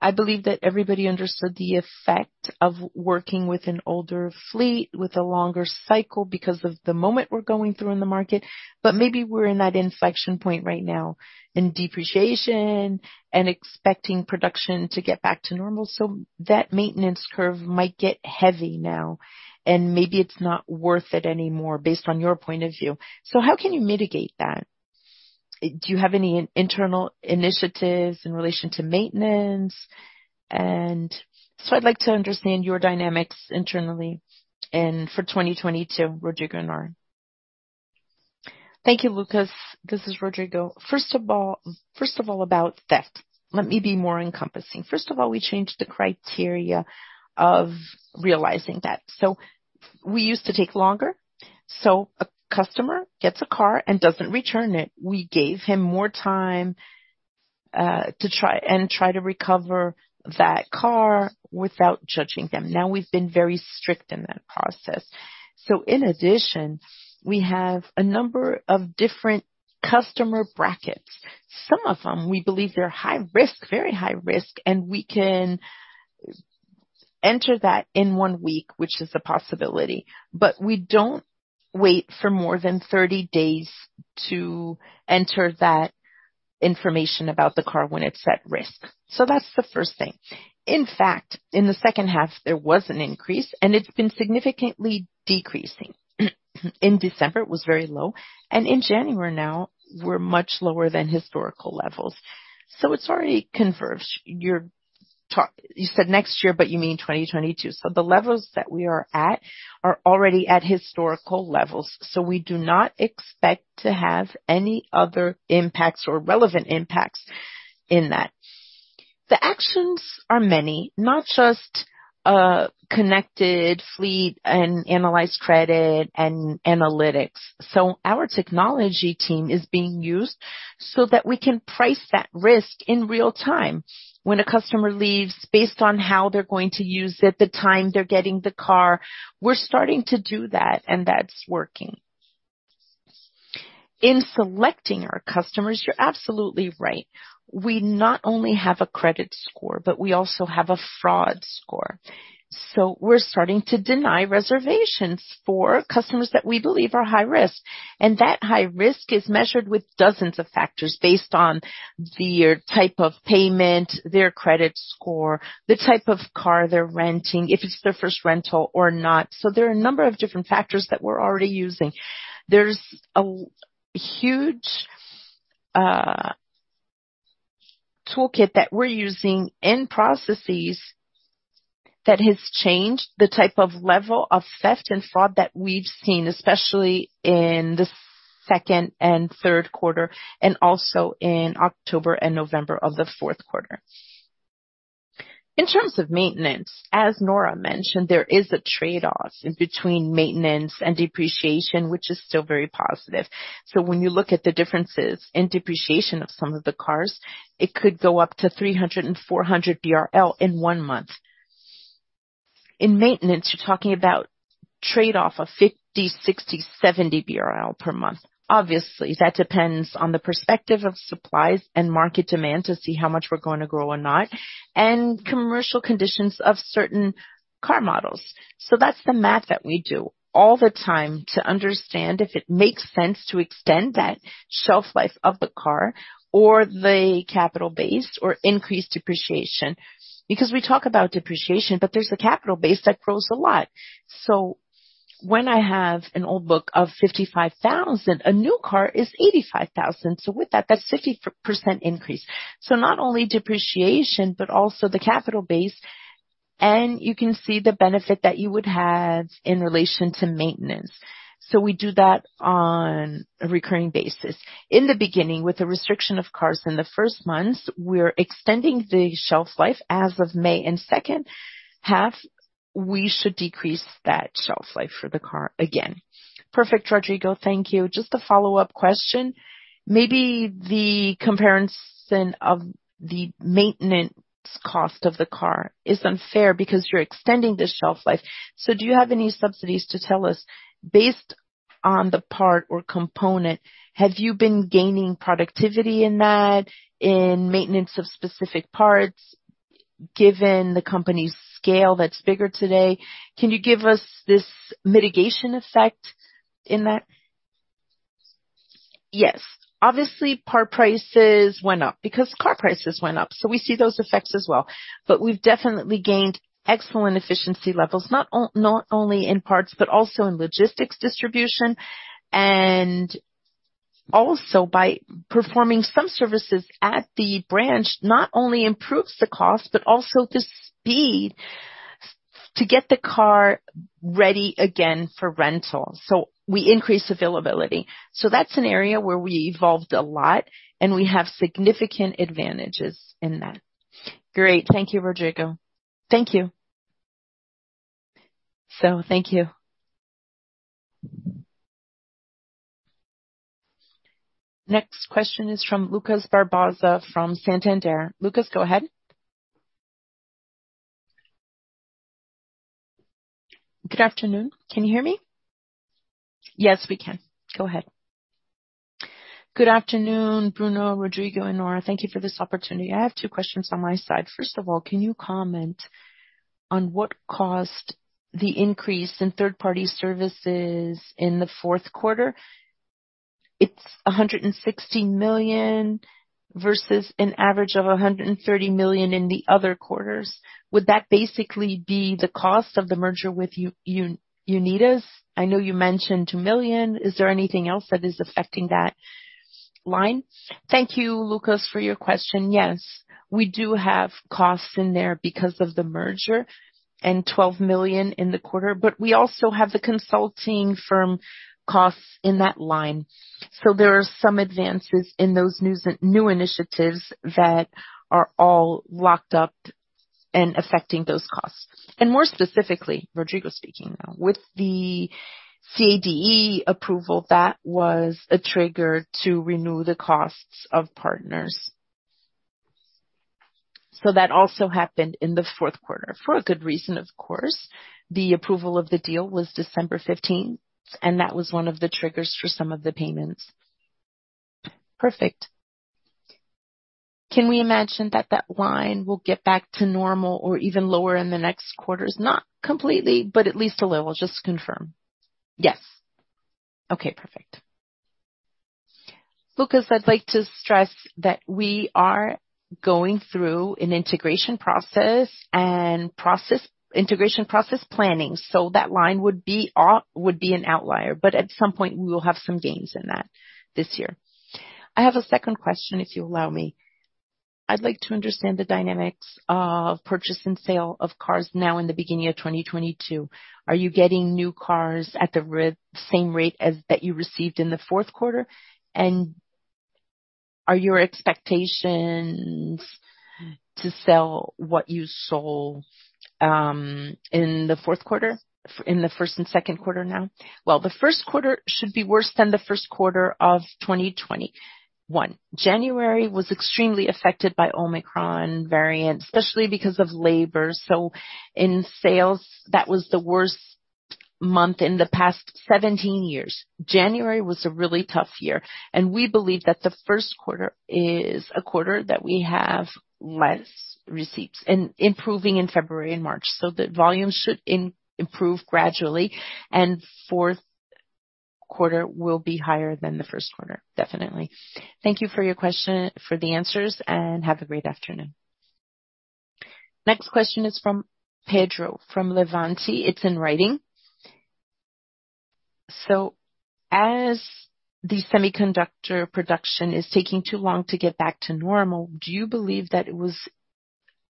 I believe that everybody understood the effect of working with an older fleet with a longer cycle because of the moment we're going through in the market. Maybe we're in that inflection point right now in depreciation and expecting production to get back to normal. That maintenance curve might get heavy now, and maybe it's not worth it anymore based on your point of view. How can you mitigate that? Do you have any internal initiatives in relation to maintenance? I'd like to understand your dynamics internally and for 2022, Rodrigo and Nora. Thank you, Lucas. This is Rodrigo. First of all, about theft, let me be more encompassing. We changed the criteria of realizing that. We used to take longer, so a customer gets a car and doesn't return it. We gave him more time to try to recover that car without judging them. Now, we've been very strict in that process. In addition, we have a number of different customer brackets. Some of them we believe they're high risk, very high risk, and we can enter that in one week, which is a possibility, but we don't wait for more than 30 days to enter that information about the car when it's at risk. That's the first thing. In fact, in the second half, there was an increase, and it's been significantly decreasing. In December, it was very low, and in January now we're much lower than historical levels. It's already converged. You said next year, but you mean 2022. The levels that we are at are already at historical levels, so we do not expect to have any other impacts or relevant impacts in that. The actions are many, not just connected fleet and analyzed credit and analytics. Our technology team is being used so that we can price that risk in real time. When a customer leaves, based on how they're going to use it, the time they're getting the car, we're starting to do that, and that's working. In selecting our customers, you're absolutely right. We not only have a credit score, but we also have a fraud score. We're starting to deny reservations for customers that we believe are high risk. That high risk is measured with dozens of factors based on their type of payment, their credit score, the type of car they're renting, if it's their first rental or not. There are a number of different factors that we're already using. There's a huge toolkit that we're using and processes that has changed the type of level of theft and fraud that we've seen, especially in the second and third quarter, and also in October and November of the fourth quarter. In terms of maintenance, as Nora mentioned, there is a trade-off between maintenance and depreciation, which is still very positive. When you look at the differences in depreciation of some of the cars, it could go up to 300-400 BRL in one month. In maintenance, you're talking about trade-off of 50, 60, 70 per month. Obviously, that depends on the perspective of supplies and market demand to see how much we're gonna grow or not, and commercial conditions of certain car models. That's the math that we do all the time to understand if it makes sense to extend that shelf life of the car or the capital base or increase depreciation. Because we talk about depreciation, but there's a capital base that grows a lot. When I have an old book of 55,000, a new car is 85,000. With that's 50% increase. Not only depreciation, but also the capital base, and you can see the benefit that you would have in relation to maintenance. We do that on a recurring basis. In the beginning, with the restriction of cars in the first months, we're extending the shelf life as of May, and second half we should decrease that shelf life for the car again. Perfect, Rodrigo. Thank you. Just a follow-up question. Maybe the comparison of the maintenance cost of the car is unfair because you're extending the shelf life. So do you have any studies to tell us based on the part or component? Have you been gaining productivity in that, in maintenance of specific parts, given the company's scale that's bigger today? Can you give us this mitigation effect in that? Yes. Obviously, part prices went up because car prices went up, so we see those effects as well. We've definitely gained excellent efficiency levels, not only in parts, but also in logistics distribution, and also by performing some services at the branch, not only improves the cost, but also the speed to get the car ready again for rental. We increase availability. That's an area where we evolved a lot, and we have significant advantages in that. Great. Thank you, Rodrigo. Thank you. Thank you. Next question is from Lucas Barbosa from Santander. Lucas, go ahead. Good afternoon. Can you hear me? Yes, we can. Go ahead. Good afternoon, Bruno, Rodrigo, and Nora. Thank you for this opportunity. I have two questions on my side. First of all, can you comment on what caused the increase in third-party services in the fourth quarter? It's 160 million versus an average of 130 million in the other quarters. Would that basically be the cost of the merger with Unidas? I know you mentioned 2 million. Is there anything else that is affecting that line? Thank you, Lucas, for your question. Yes, we do have costs in there because of the merger and 12 million in the quarter, but we also have the consulting firm costs in that line. There are some advances in those new initiatives that are all locked up and affecting those costs. More specifically, Rodrigo speaking now, with the CADE approval, that was a trigger to renew the costs of partners. That also happened in the fourth quarter for a good reason, of course. The approval of the deal was December 15, and that was one of the triggers for some of the payments. Perfect. Can we imagine that line will get back to normal or even lower in the next quarters? Not completely, but at least a little. Just confirm. Yes. Okay, perfect. Lucas, I'd like to stress that we are going through an integration process planning. That line would be an outlier, but at some point, we will have some gains in that this year. I have a second question, if you allow me. I'd like to understand the dynamics of purchase and sale of cars now in the beginning of 2022. Are you getting new cars at the same rate as that you received in the fourth quarter? Are your expectations to sell what you sold in the fourth quarter in the first and second quarter now? Well, the first quarter should be worse than the first quarter of 2021. January was extremely affected by Omicron variant, especially because of labor. In sales, that was the worst month in the past 17 years. January was a really tough year, and we believe that the first quarter is a quarter that we have less receipts and improving in February and March, the volumes should improve gradually. Fourth quarter will be higher than the first quarter, definitely. Thank for the answers, and have a great afternoon. Next question is from Pedro, from Levante. It's in writing. As the semiconductor production is taking too long to get back to normal, do you believe that it was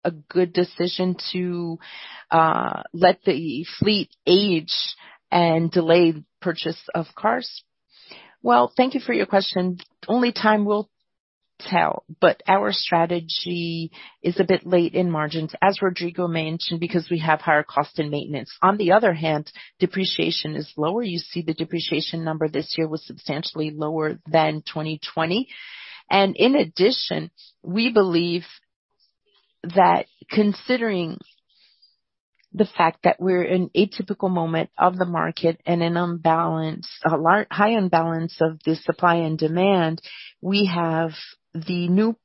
a good decision to let the fleet age and delay purchase of cars? Well, thank you for your question. Only time will tell, but our strategy is a bit late in margins, as Rodrigo mentioned, because we have higher cost in maintenance. On the other hand, depreciation is lower. You see the depreciation number this year was substantially lower than 2020. In addition, we believe that considering the fact that we're in an atypical moment of the market and an unbalanced, large high imbalance of the supply and demand, we have the new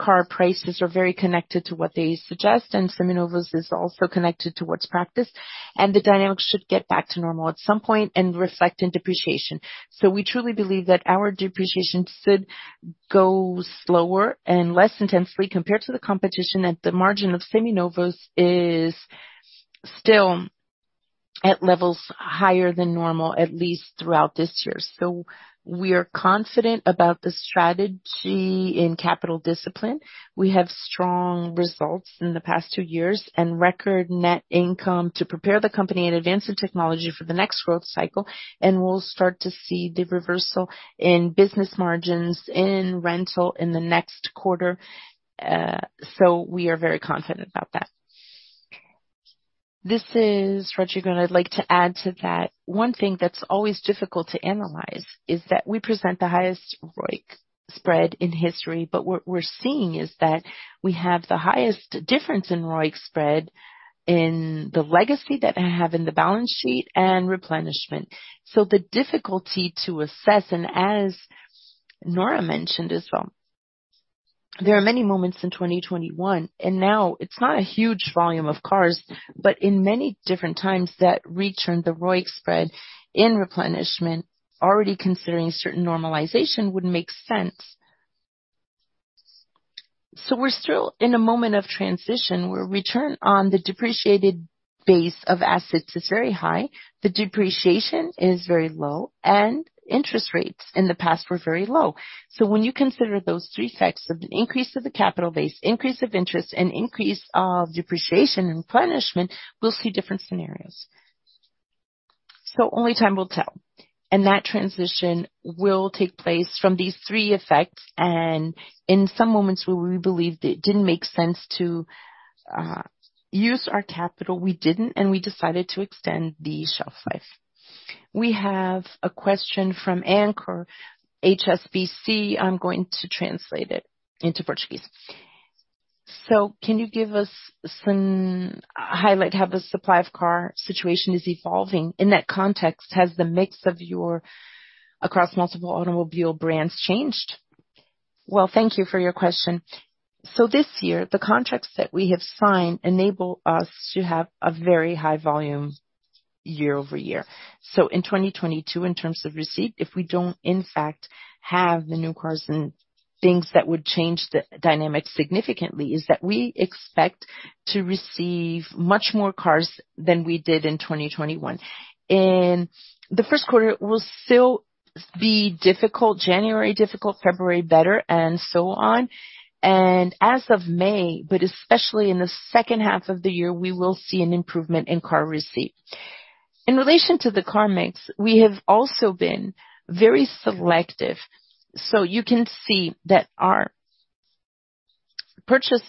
car prices are very connected to what they suggest, and Seminovos is also connected to what's practiced, and the dynamics should get back to normal at some point and reflect in depreciation. We truly believe that our depreciation should go slower and less intensely compared to the competition, and the margin of Seminovos is still at levels higher than normal, at least throughout this year. We're confident about the strategy in capital discipline. We have strong results in the past two years and record net income to prepare the company in advance of technology for the next growth cycle, and we'll start to see the reversal in business margins in rental in the next quarter. We are very confident about that. This is Rodrigo, and I'd like to add to that. One thing that's always difficult to analyze is that we present the highest ROIC spread in history, but what we're seeing is that we have the highest difference in ROIC spread in the legacy that I have in the balance sheet and replenishment. The difficulty to assess, and as Nora mentioned as well, there are many moments in 2021, and now it's not a huge volume of cars, but in many different times that return the ROIC spread in replenishment already considering certain normalization would make sense. We're still in a moment of transition, where return on the depreciated base of assets is very high, the depreciation is very low, and interest rates in the past were very low. When you consider those three effects of an increase of the capital base, increase of interest, and increase of depreciation and replenishment, we'll see different scenarios. Only time will tell. That transition will take place from these three effects, and in some moments where we believed it didn't make sense to use our capital, we didn't, and we decided to extend the shelf life. We have a question from Ankur, HSBC. I'm going to translate it into Portuguese. Can you give us some highlights how the car supply situation is evolving? In that context, has the mix of yours across multiple automobile brands changed? Well, thank you for your question. This year, the contracts that we have signed enable us to have a very high volume year over year. In 2022, in terms of receipt, if we don't in fact have the new cars and things that would change the dynamic significantly, it is that we expect to receive much more cars than we did in 2021. In the first quarter, it will still be difficult. January, difficult. February, better, and so on. As of May, but especially in the second half of the year, we will see an improvement in car receipt. In relation to the car mix, we have also been very selective. You can see that our purchase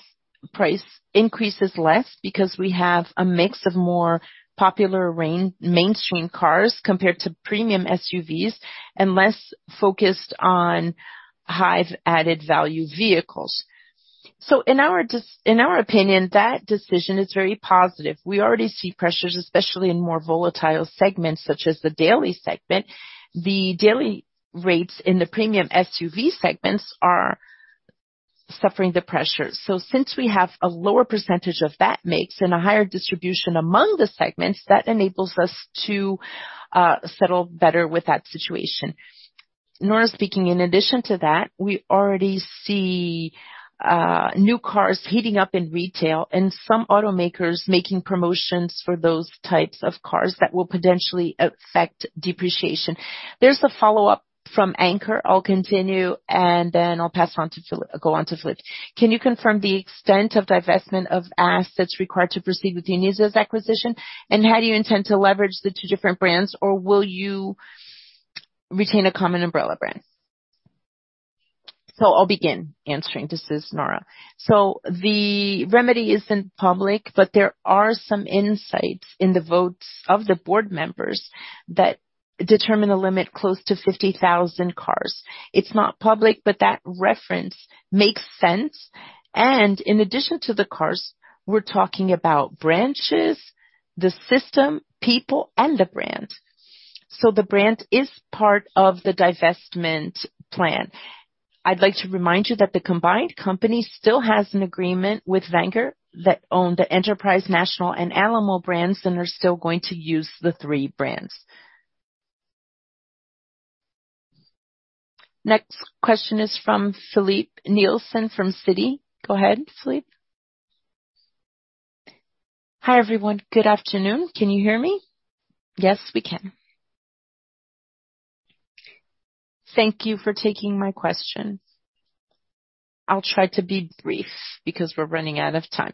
price increases less because we have a mix of more popular mainstream cars compared to premium SUVs and less focused on high added value vehicles. In our opinion, that decision is very positive. We already see pressures, especially in more volatile segments such as the daily segment. The daily rates in the premium SUV segments are suffering the pressure. Since we have a lower percentage of that mix and a higher distribution among the segments, that enables us to settle better with that situation. In addition to that, we already see new cars heating up in retail and some automakers making promotions for those types of cars that will potentially affect depreciation. There's a follow-up from Ankur. I'll continue, and then I'll pass on to Filipe. Can you confirm the extent of divestment of assets required to proceed with the Unidas acquisition? How do you intend to leverage the two different brands, or will you retain a common umbrella brand? I'll begin answering. This is Nora. The remedy isn't public, but there are some insights in the votes of the board members that determine the limit close to 50,000 cars. It's not public, but that reference makes sense. In addition to the cars, we're talking about branches, the system, people, and the brand. The brand is part of the divestment plan. I'd like to remind you that the combined company still has an agreement with Vanguard that own the Enterprise, National, and Alamo brands and are still going to use the three brands. Next question is from Filipe Nielsen from Citi. Go ahead, Filipe. Hi, everyone. Good afternoon. Can you hear me? Yes, we can. Thank you for taking my questions. I'll try to be brief because we're running out of time.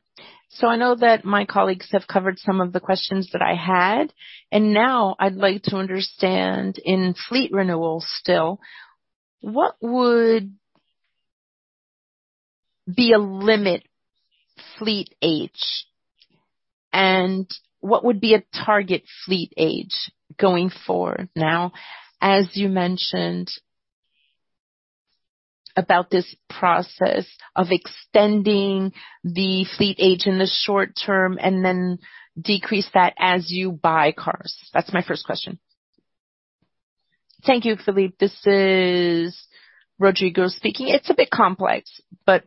I know that my colleagues have covered some of the questions that I had, and now I'd like to understand, in fleet renewal still, what would be a limit fleet age, and what would be a target fleet age going forward now, as you mentioned about this process of extending the fleet age in the short term and then decrease that as you buy cars? That's my first question. Thank you, Filipe. This is Rodrigo Tavares speaking. It's a bit complex, but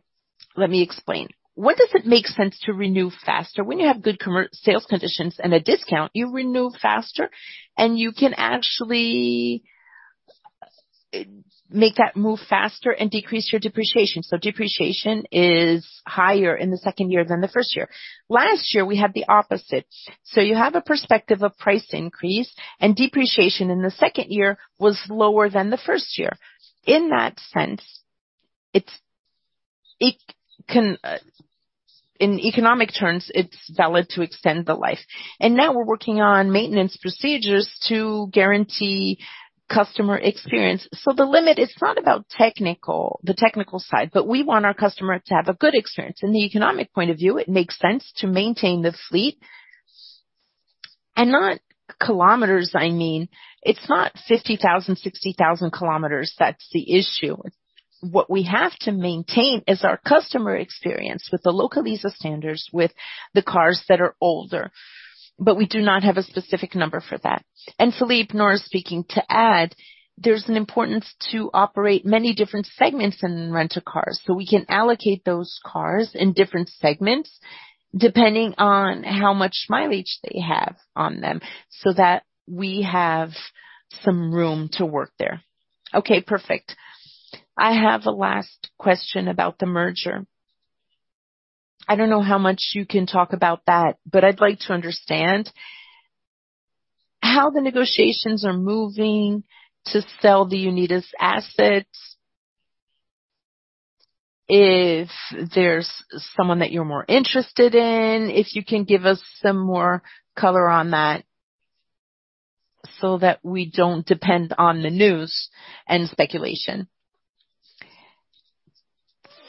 let me explain. When does it make sense to renew faster? When you have good sales conditions and a discount, you renew faster, and you can actually make that move faster and decrease your depreciation. Depreciation is higher in the second year than the first year. Last year, we had the opposite. You have a perspective of price increase, and depreciation in the second year was lower than the first year. In that sense, in economic terms, it's valid to extend the life. Now we're working on maintenance procedures to guarantee customer experience. The limit is not about the technical side, but we want our customer to have a good experience. In the economic point of view, it makes sense to maintain the fleet. Not kilometers, I mean. It's not 50,000, 60,000 km that's the issue. What we have to maintain is our customer experience with the Localiza standards, with the cars that are older. We do not have a specific number for that. Filipe, Nora speaking. To add, there's an importance to operate many different segments in rental cars, so we can allocate those cars in different segments depending on how much mileage they have on them, so that we have some room to work there. Okay, perfect. I have a last question about the merger. I don't know how much you can talk about that, but I'd like to understand how the negotiations are moving to sell the Unidas assets, if there's someone that you're more interested in, if you can give us some more color on that so that we don't depend on the news and speculation.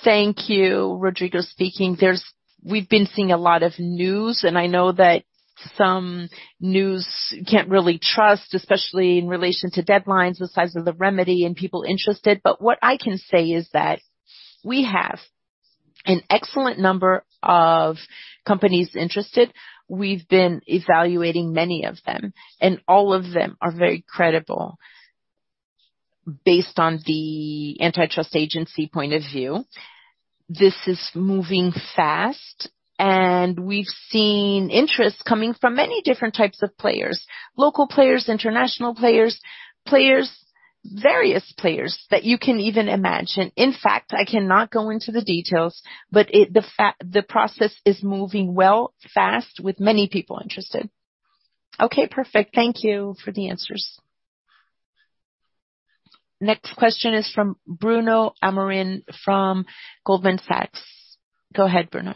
Thank you. Rodrigo speaking. We've been seeing a lot of news, and I know that some news can't really trust, especially in relation to deadlines, the size of the remedy, and people interested. What I can say is that we have an excellent number of companies interested. We've been evaluating many of them, and all of them are very credible based on the antitrust agency point of view. This is moving fast, and we've seen interest coming from many different types of players, local players, international players, various players that you can even imagine. In fact, I cannot go into the details, but the process is moving well, fast, with many people interested. Okay, perfect. Thank you for the answers. Next question is from Bruno Amorim from Goldman Sachs. Go ahead, Bruno.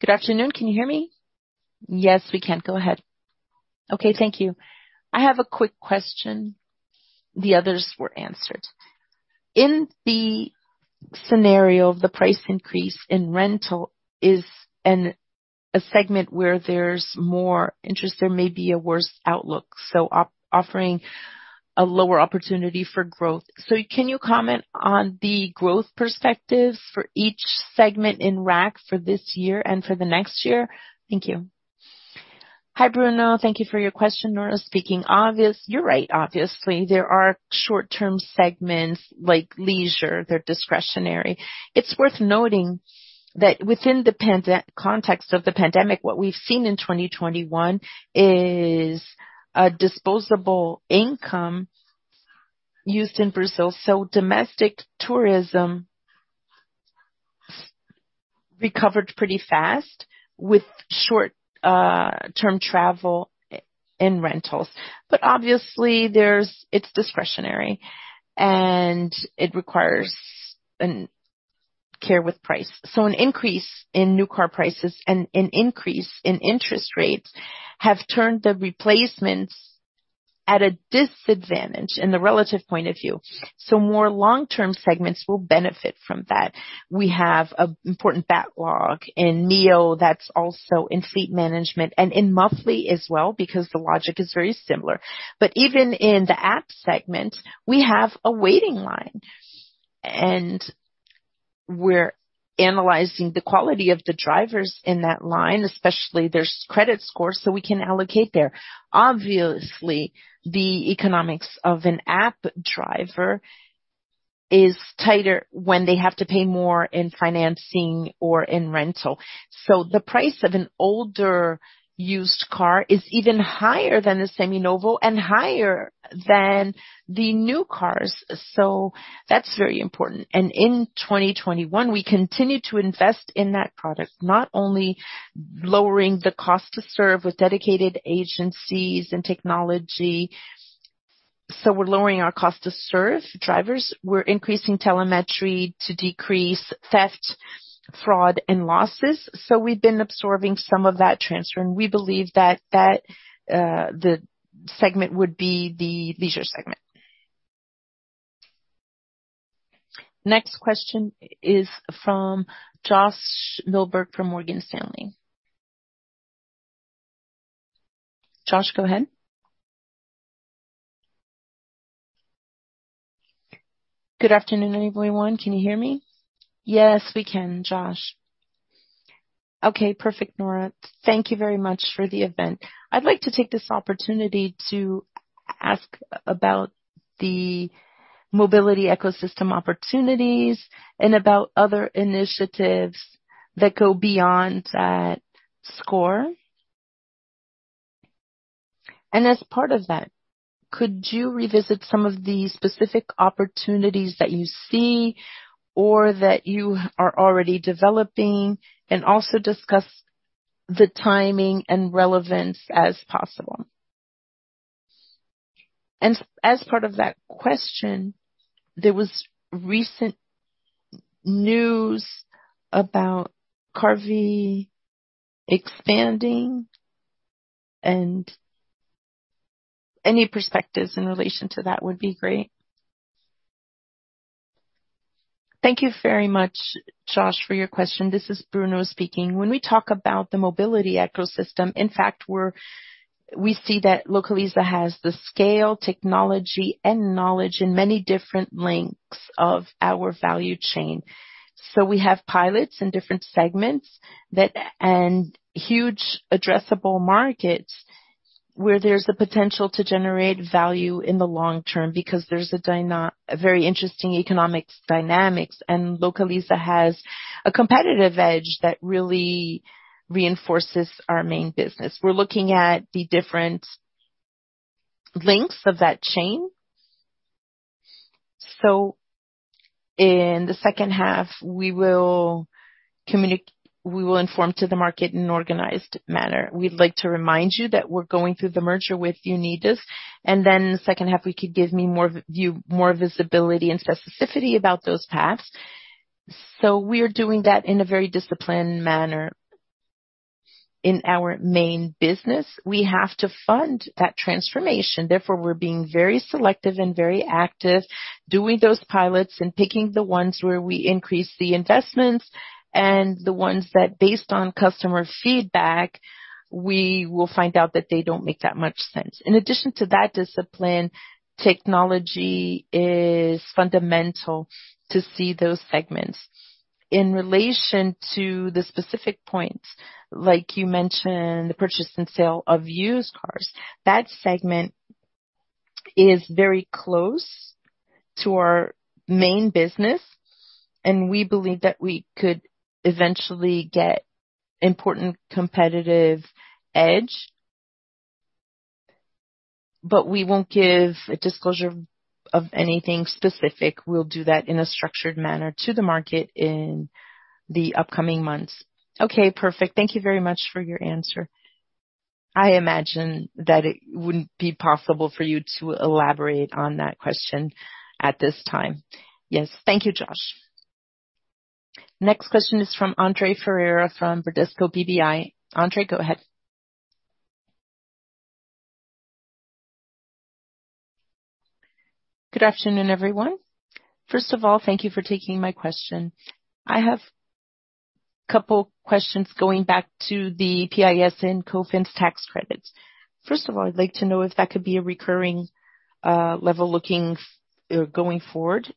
Good afternoon. Can you hear me? Yes, we can. Go ahead. Okay. Thank you. I have a quick question. The others were answered. In the scenario of the price increase in rental, it's a segment where there's more interest, there may be a worse outlook, offering a lower opportunity for growth. Can you comment on the growth perspective for each segment in RAC for this year and for the next year? Thank you. Hi, Bruno. Thank you for your question. Nora speaking. You're right. Obviously, there are short-term segments like leisure, they're discretionary. It's worth noting that within the pandemic context of the pandemic, what we've seen in 2021 is an increase in disposable income in Brazil, so domestic tourism recovered pretty fast with short-term travel and rentals. Obviously, it's discretionary, and it requires care with price. An increase in new car prices and an increase in interest rates have turned the replacements at a disadvantage in the relative point of view. More long-term segments will benefit from that. We have an important backlog in Meoo, that's also in fleet management and in [monthly] as well, because the logic is very similar. Even in the app segment, we have a waiting line, and we're analyzing the quality of the drivers in that line, especially their credit score, so we can allocate there. Obviously, the economics of an app driver is tighter when they have to pay more in financing or in rental. The price of an older used car is even higher than the seminovos and higher than the new cars. That's very important. In 2021, we continue to invest in that product, not only lowering the cost to serve with dedicated agencies and technology. We're lowering our cost to serve drivers. We're increasing telemetry to decrease theft, fraud, and losses. We've been absorbing some of that transfer, and we believe that that, the segment would be the leisure segment. Next question is from Josh Milberg, from Morgan Stanley. Josh, go ahead. Good afternoon, everyone. Can you hear me? Yes, we can, Josh. Okay, perfect. Nora, thank you very much for the event. I'd like to take this opportunity to ask about the mobility ecosystem opportunities and about other initiatives that go beyond that score. As part of that, could you revisit some of the specific opportunities that you see or that you are already developing and also discuss the timing and relevance as possible? As part of that question, there was recent news about Carvi expanding, and any perspectives in relation to that would be great. Thank you very much, Josh, for your question. This is Bruno speaking. When we talk about the mobility ecosystem, in fact, we see that Localiza has the scale, technology and knowledge in many different lengths of our value chain. We have pilots in different segments and huge addressable markets, where there's the potential to generate value in the long term because there's a very interesting economic dynamics. Localiza has a competitive edge that really reinforces our main business. We're looking at the different lengths of that chain. In the second half, we will inform to the market in an organized manner. We'd like to remind you that we're going through the merger with Unidas, and then in the second half, we could give you more visibility and specificity about those paths. We are doing that in a very disciplined manner. In our main business, we have to fund that transformation. Therefore, we're being very selective and very active, doing those pilots and picking the ones where we increase the investments and the ones that, based on customer feedback, we will find out that they don't make that much sense. In addition to that discipline, technology is fundamental to serve those segments. In relation to the specific points, like you mentioned, the purchase and sale of used cars, that segment is very close to our main business, and we believe that we could eventually get important competitive edge, but we won't give a disclosure of anything specific. We'll do that in a structured manner to the market in the upcoming months. Okay, perfect. Thank you very much for your answer. I imagine that it wouldn't be possible for you to elaborate on that question at this time. Yes. Thank you, Josh. Next question is from André Ferreira, from Bradesco BBI. André, go ahead. Good afternoon, everyone. First of all, thank you for taking my question. I have couple questions going back to the PIS and COFINS tax credits. First of all, I'd like to know if that could be a recurring level going forward.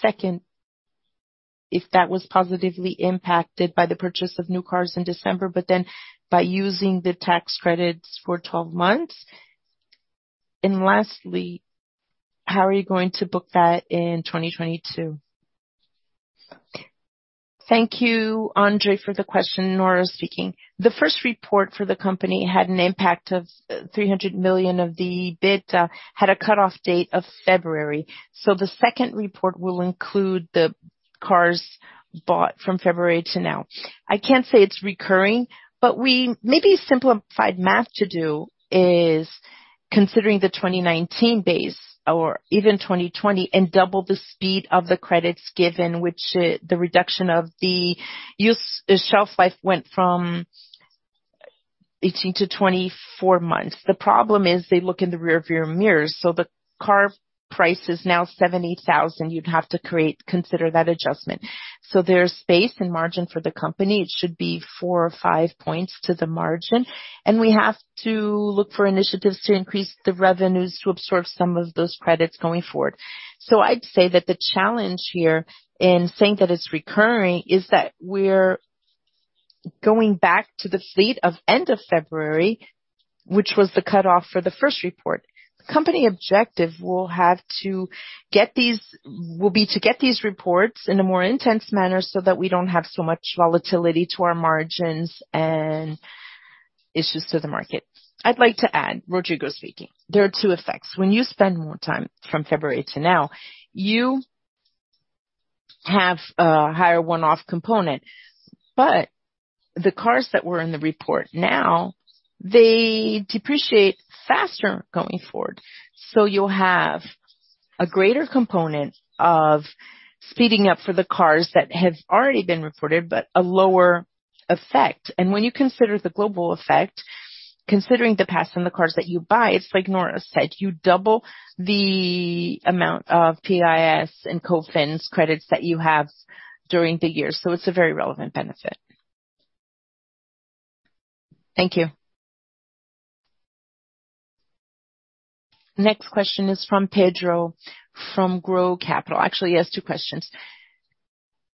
Second, if that was positively impacted by the purchase of new cars in December, but then by using the tax credits for 12 months. Lastly, how are you going to book that in 2022? Thank you, André, for the question. Nora speaking. The first report for the company had an impact of 300 million of the bid, had a cutoff date of February. The second report will include the cars bought from February to now. I can't say it's recurring, but we maybe simplified math to do is considering the 2019 base or even 2020 and double the speed of the credits given, which, the reduction of the useful life went from 18 to 24 months. The problem is they look in the rear view mirrors. The car price is now 70,000. You'd have to create, consider that adjustment. There's space and margin for the company. It should be 4 or 5 points to the margin. We have to look for initiatives to increase the revenues to absorb some of those credits going forward. I'd say that the challenge here in saying that it's recurring is that we're going back to the fleet of end of February, which was the cutoff for the first report. The company objective will be to get these reports in a more intense manner so that we don't have so much volatility to our margins and issues to the market. I'd like to add. Rodrigo speaking. There are two effects. When you spend more time from February to now, you have a higher one-off component, but the cars that were in the report, now they depreciate faster going forward. You'll have a greater component of speeding up for the cars that have already been reported, but a lower effect. When you consider the global effect, considering the past and the cars that you buy, it's like Nora said, you double the amount of PIS and COFINS credits that you have during the year. It's a very relevant benefit. Thank you. Next question is from Pedro, from Grow Capital. Actually, he has two questions.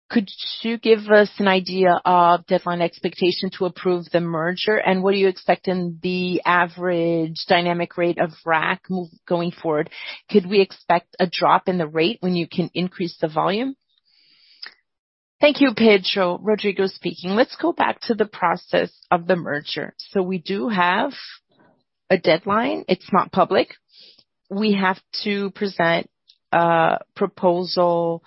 Could you give us an idea of deadline expectation to approve the merger, and what do you expect in the average dynamic rate of RAC going forward? Could we expect a drop in the rate when you can increase the volume? Thank you, Pedro. Rodrigo speaking. Let's go back to the process of the merger. We do have a deadline. It's not public. We have to present a proposal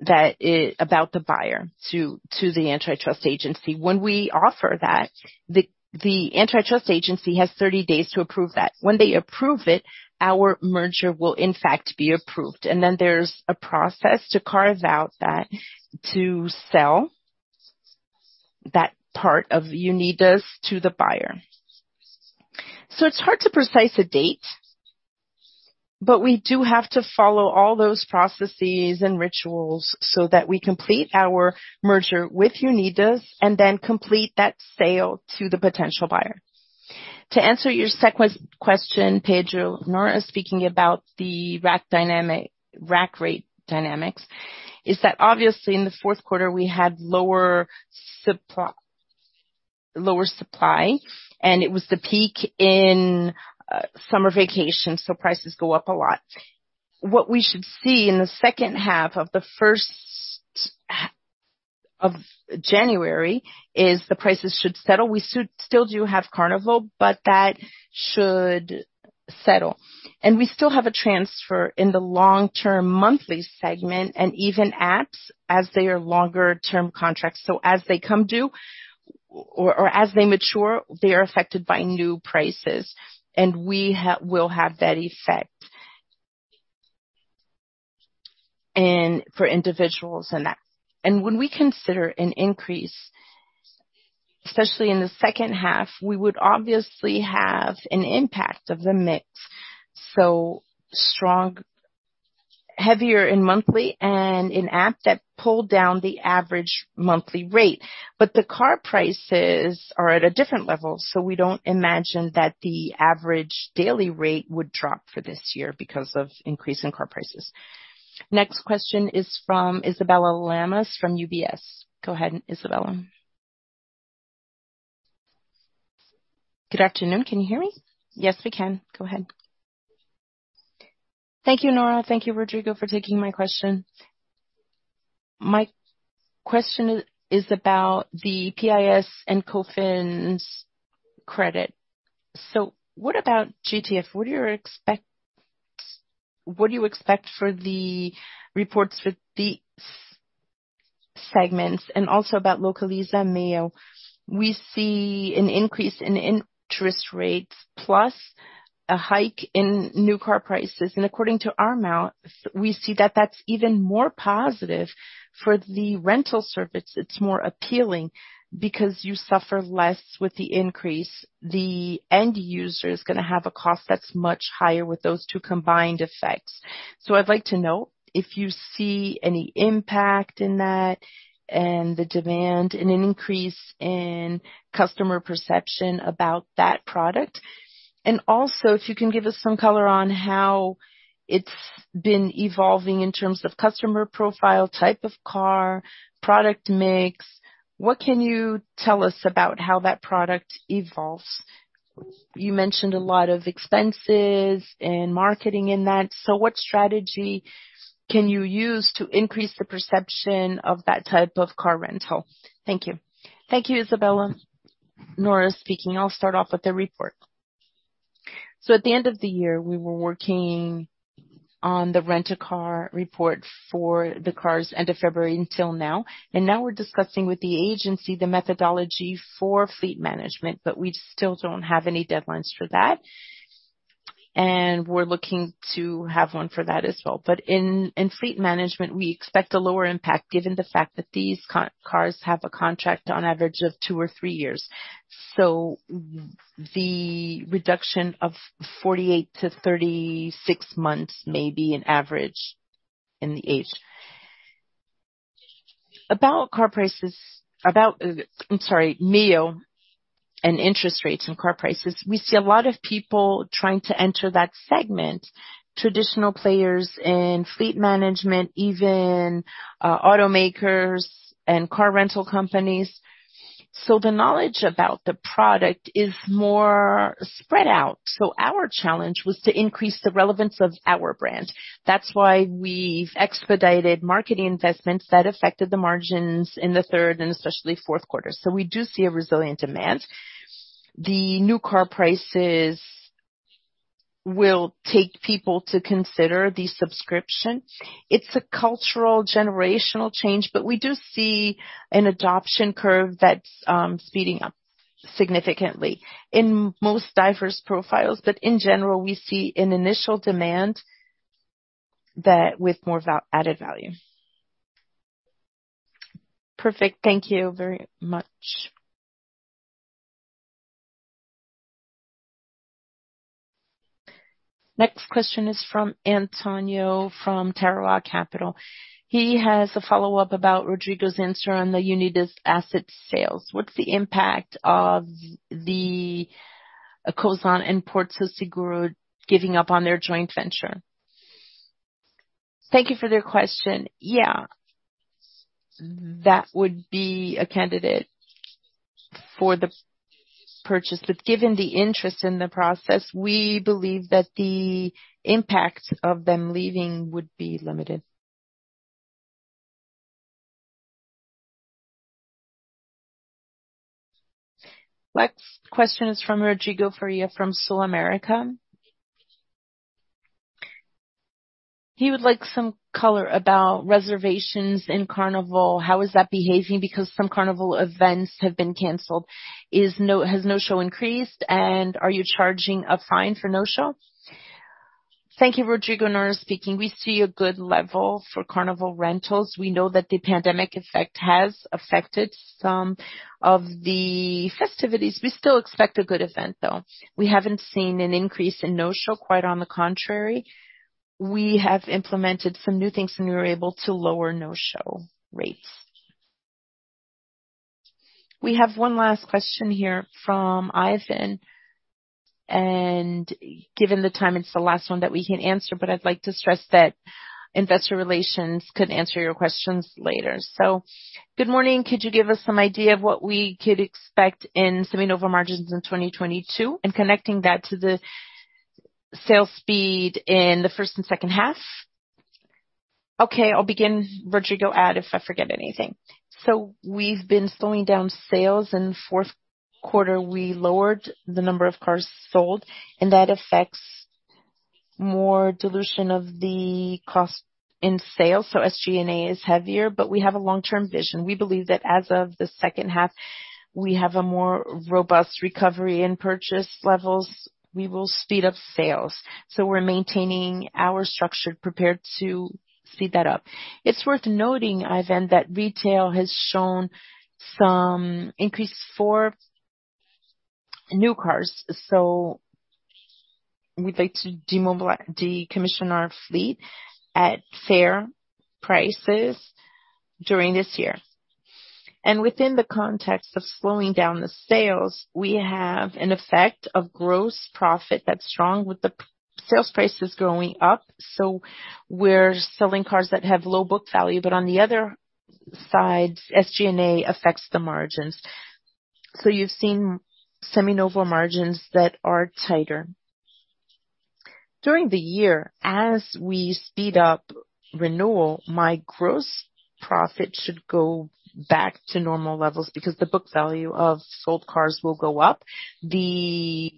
that is about the buyer to the antitrust agency. When we offer that, the antitrust agency has 30 days to approve that. When they approve it, our merger will in fact be approved, and then there's a process to carve out that, to sell that part of Unidas to the buyer. It's hard to predict a date, but we do have to follow all those processes and rituals so that we complete our merger with Unidas and then complete that sale to the potential buyer. To answer your second question, Pedro, Nora speaking, about the RAC dynamic, RAC rate dynamics, is that obviously in the fourth quarter we had lower supply, and it was the peak in summer vacation, so prices go up a lot. What we should see in the second half of January is the prices should settle. We still do have Carnival, but that should settle. We still have a turnover in the long term monthly segment and even apps as they are longer term contracts. As they come due or as they mature, they are affected by new prices, and we will have that effect. For individuals and that. When we consider an increase, especially in the second half, we would obviously have an impact of the mix, so strong, heavier in monthly and in app that pull down the average monthly rate. The car prices are at a different level, so we don't imagine that the average daily rate would drop for this year because of increase in car prices. Next question is from Isabella Lamas from UBS. Go ahead, Isabella. Good afternoon. Can you hear me? Yes, we can. Go ahead. Thank you, Nora. Thank you, Rodrigo, for taking my question. My question is about the PIS and COFINS credit. What about GTF? What do you expect for the reports with these segments, and also about Localiza Meoo. We see an increase in interest rates plus a hike in new car prices, and according to our math, we see that that's even more positive for the rental service. It's more appealing because you suffer less with the increase. The end user is gonna have a cost that's much higher with those two combined effects. I'd like to know if you see any impact in that, and the demand, and an increase in customer perception about that product. Also, if you can give us some color on how it's been evolving in terms of customer profile, type of car, product mix. What can you tell us about how that product evolves? You mentioned a lot of expenses and marketing in that, so what strategy can you use to increase the perception of that type of car rental? Thank you. Thank you, Isabella. Nora speaking. I'll start off with the report. At the end of the year, we were working on the rent-a-car report for the cars end of February until now, and now we're discussing with the agency the methodology for fleet management, but we still don't have any deadlines for that. We're looking to have one for that as well. In fleet management, we expect a lower impact given the fact that these cars have a contract on average of two or three years. The reduction of 48-36 months may be an average in the age. About car prices. About, I'm sorry, Meoo and interest rates and car prices. We see a lot of people trying to enter that segment, traditional players in fleet management, even automakers and car rental companies. The knowledge about the product is more spread out, so our challenge was to increase the relevance of our brand. That's why we've expedited marketing investments that affected the margins in the third and especially fourth quarter. We do see a resilient demand. The new car prices will take people to consider the subscription. It's a cultural generational change, but we do see an adoption curve that's speeding up significantly in most diverse profiles. In general, we see an initial demand that with more value-added value. Perfect. Thank you very much. Next question is from Antonio from [Tarpon] Capital. He has a follow-up about Rodrigo's answer on the Unidas asset sales. What's the impact of the Cosan and Porto Seguro giving up on their joint venture? Thank you for the question. Yeah. That would be a candidate for the purchase. Given the interest in the process, we believe that the impact of them leaving would be limited. Next question is from Rodrigo Faria from SulAmérica. He would like some color about reservations in Carnival. How is that behaving, because some Carnival events have been canceled. Has no-show increased, and are you charging a fine for no-show? Thank you, Rodrigo. Nora speaking. We see a good level for Carnival rentals. We know that the pandemic effect has affected some of the festivities. We still expect a good event, though. We haven't seen an increase in no-show, quite on the contrary. We have implemented some new things, and we were able to lower no-show rates. We have one last question here from Ivan. Given the time, it's the last one that we can answer, but I'd like to stress that investor relations can answer your questions later. Good morning. Could you give us some idea of what we could expect in seminovos margins in 2022, and connecting that to the sales speed in the first and second half? Okay. I'll begin. Rodrigo, add if I forget anything. We've been slowing down sales. In the fourth quarter, we lowered the number of cars sold, and that affects more dilution of the cost in sales, so SG&A is heavier. We have a long-term vision. We believe that as of the second half, we have a more robust recovery in purchase levels. We will speed up sales. We're maintaining our structure prepared to speed that up. It's worth noting, Ivan, that retail has shown some increase for new cars, so we'd like to decommission our fleet at fair prices during this year. Within the context of slowing down the sales, we have an effect of gross profit that's strong with the sales prices going up. We're selling cars that have low book value. On the other side, SG&A affects the margins. You've seen Seminovos margins that are tighter. During the year, as we speed up renewal, my gross profit should go back to normal levels because the book value of sold cars will go up. The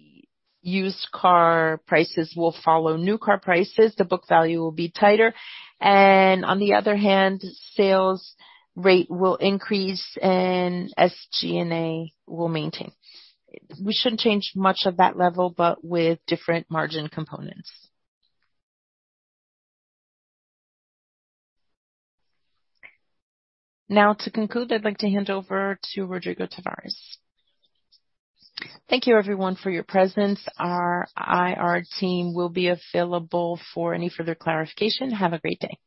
used car prices will follow new car prices. The book value will be tighter. On the other hand, sales rate will increase and SG&A will maintain. We shouldn't change much of that level, but with different margin components. Now, to conclude, I'd like to hand over to Rodrigo Tavares. Thank you everyone for your presence. Our IR team will be available for any further clarification. Have a great day.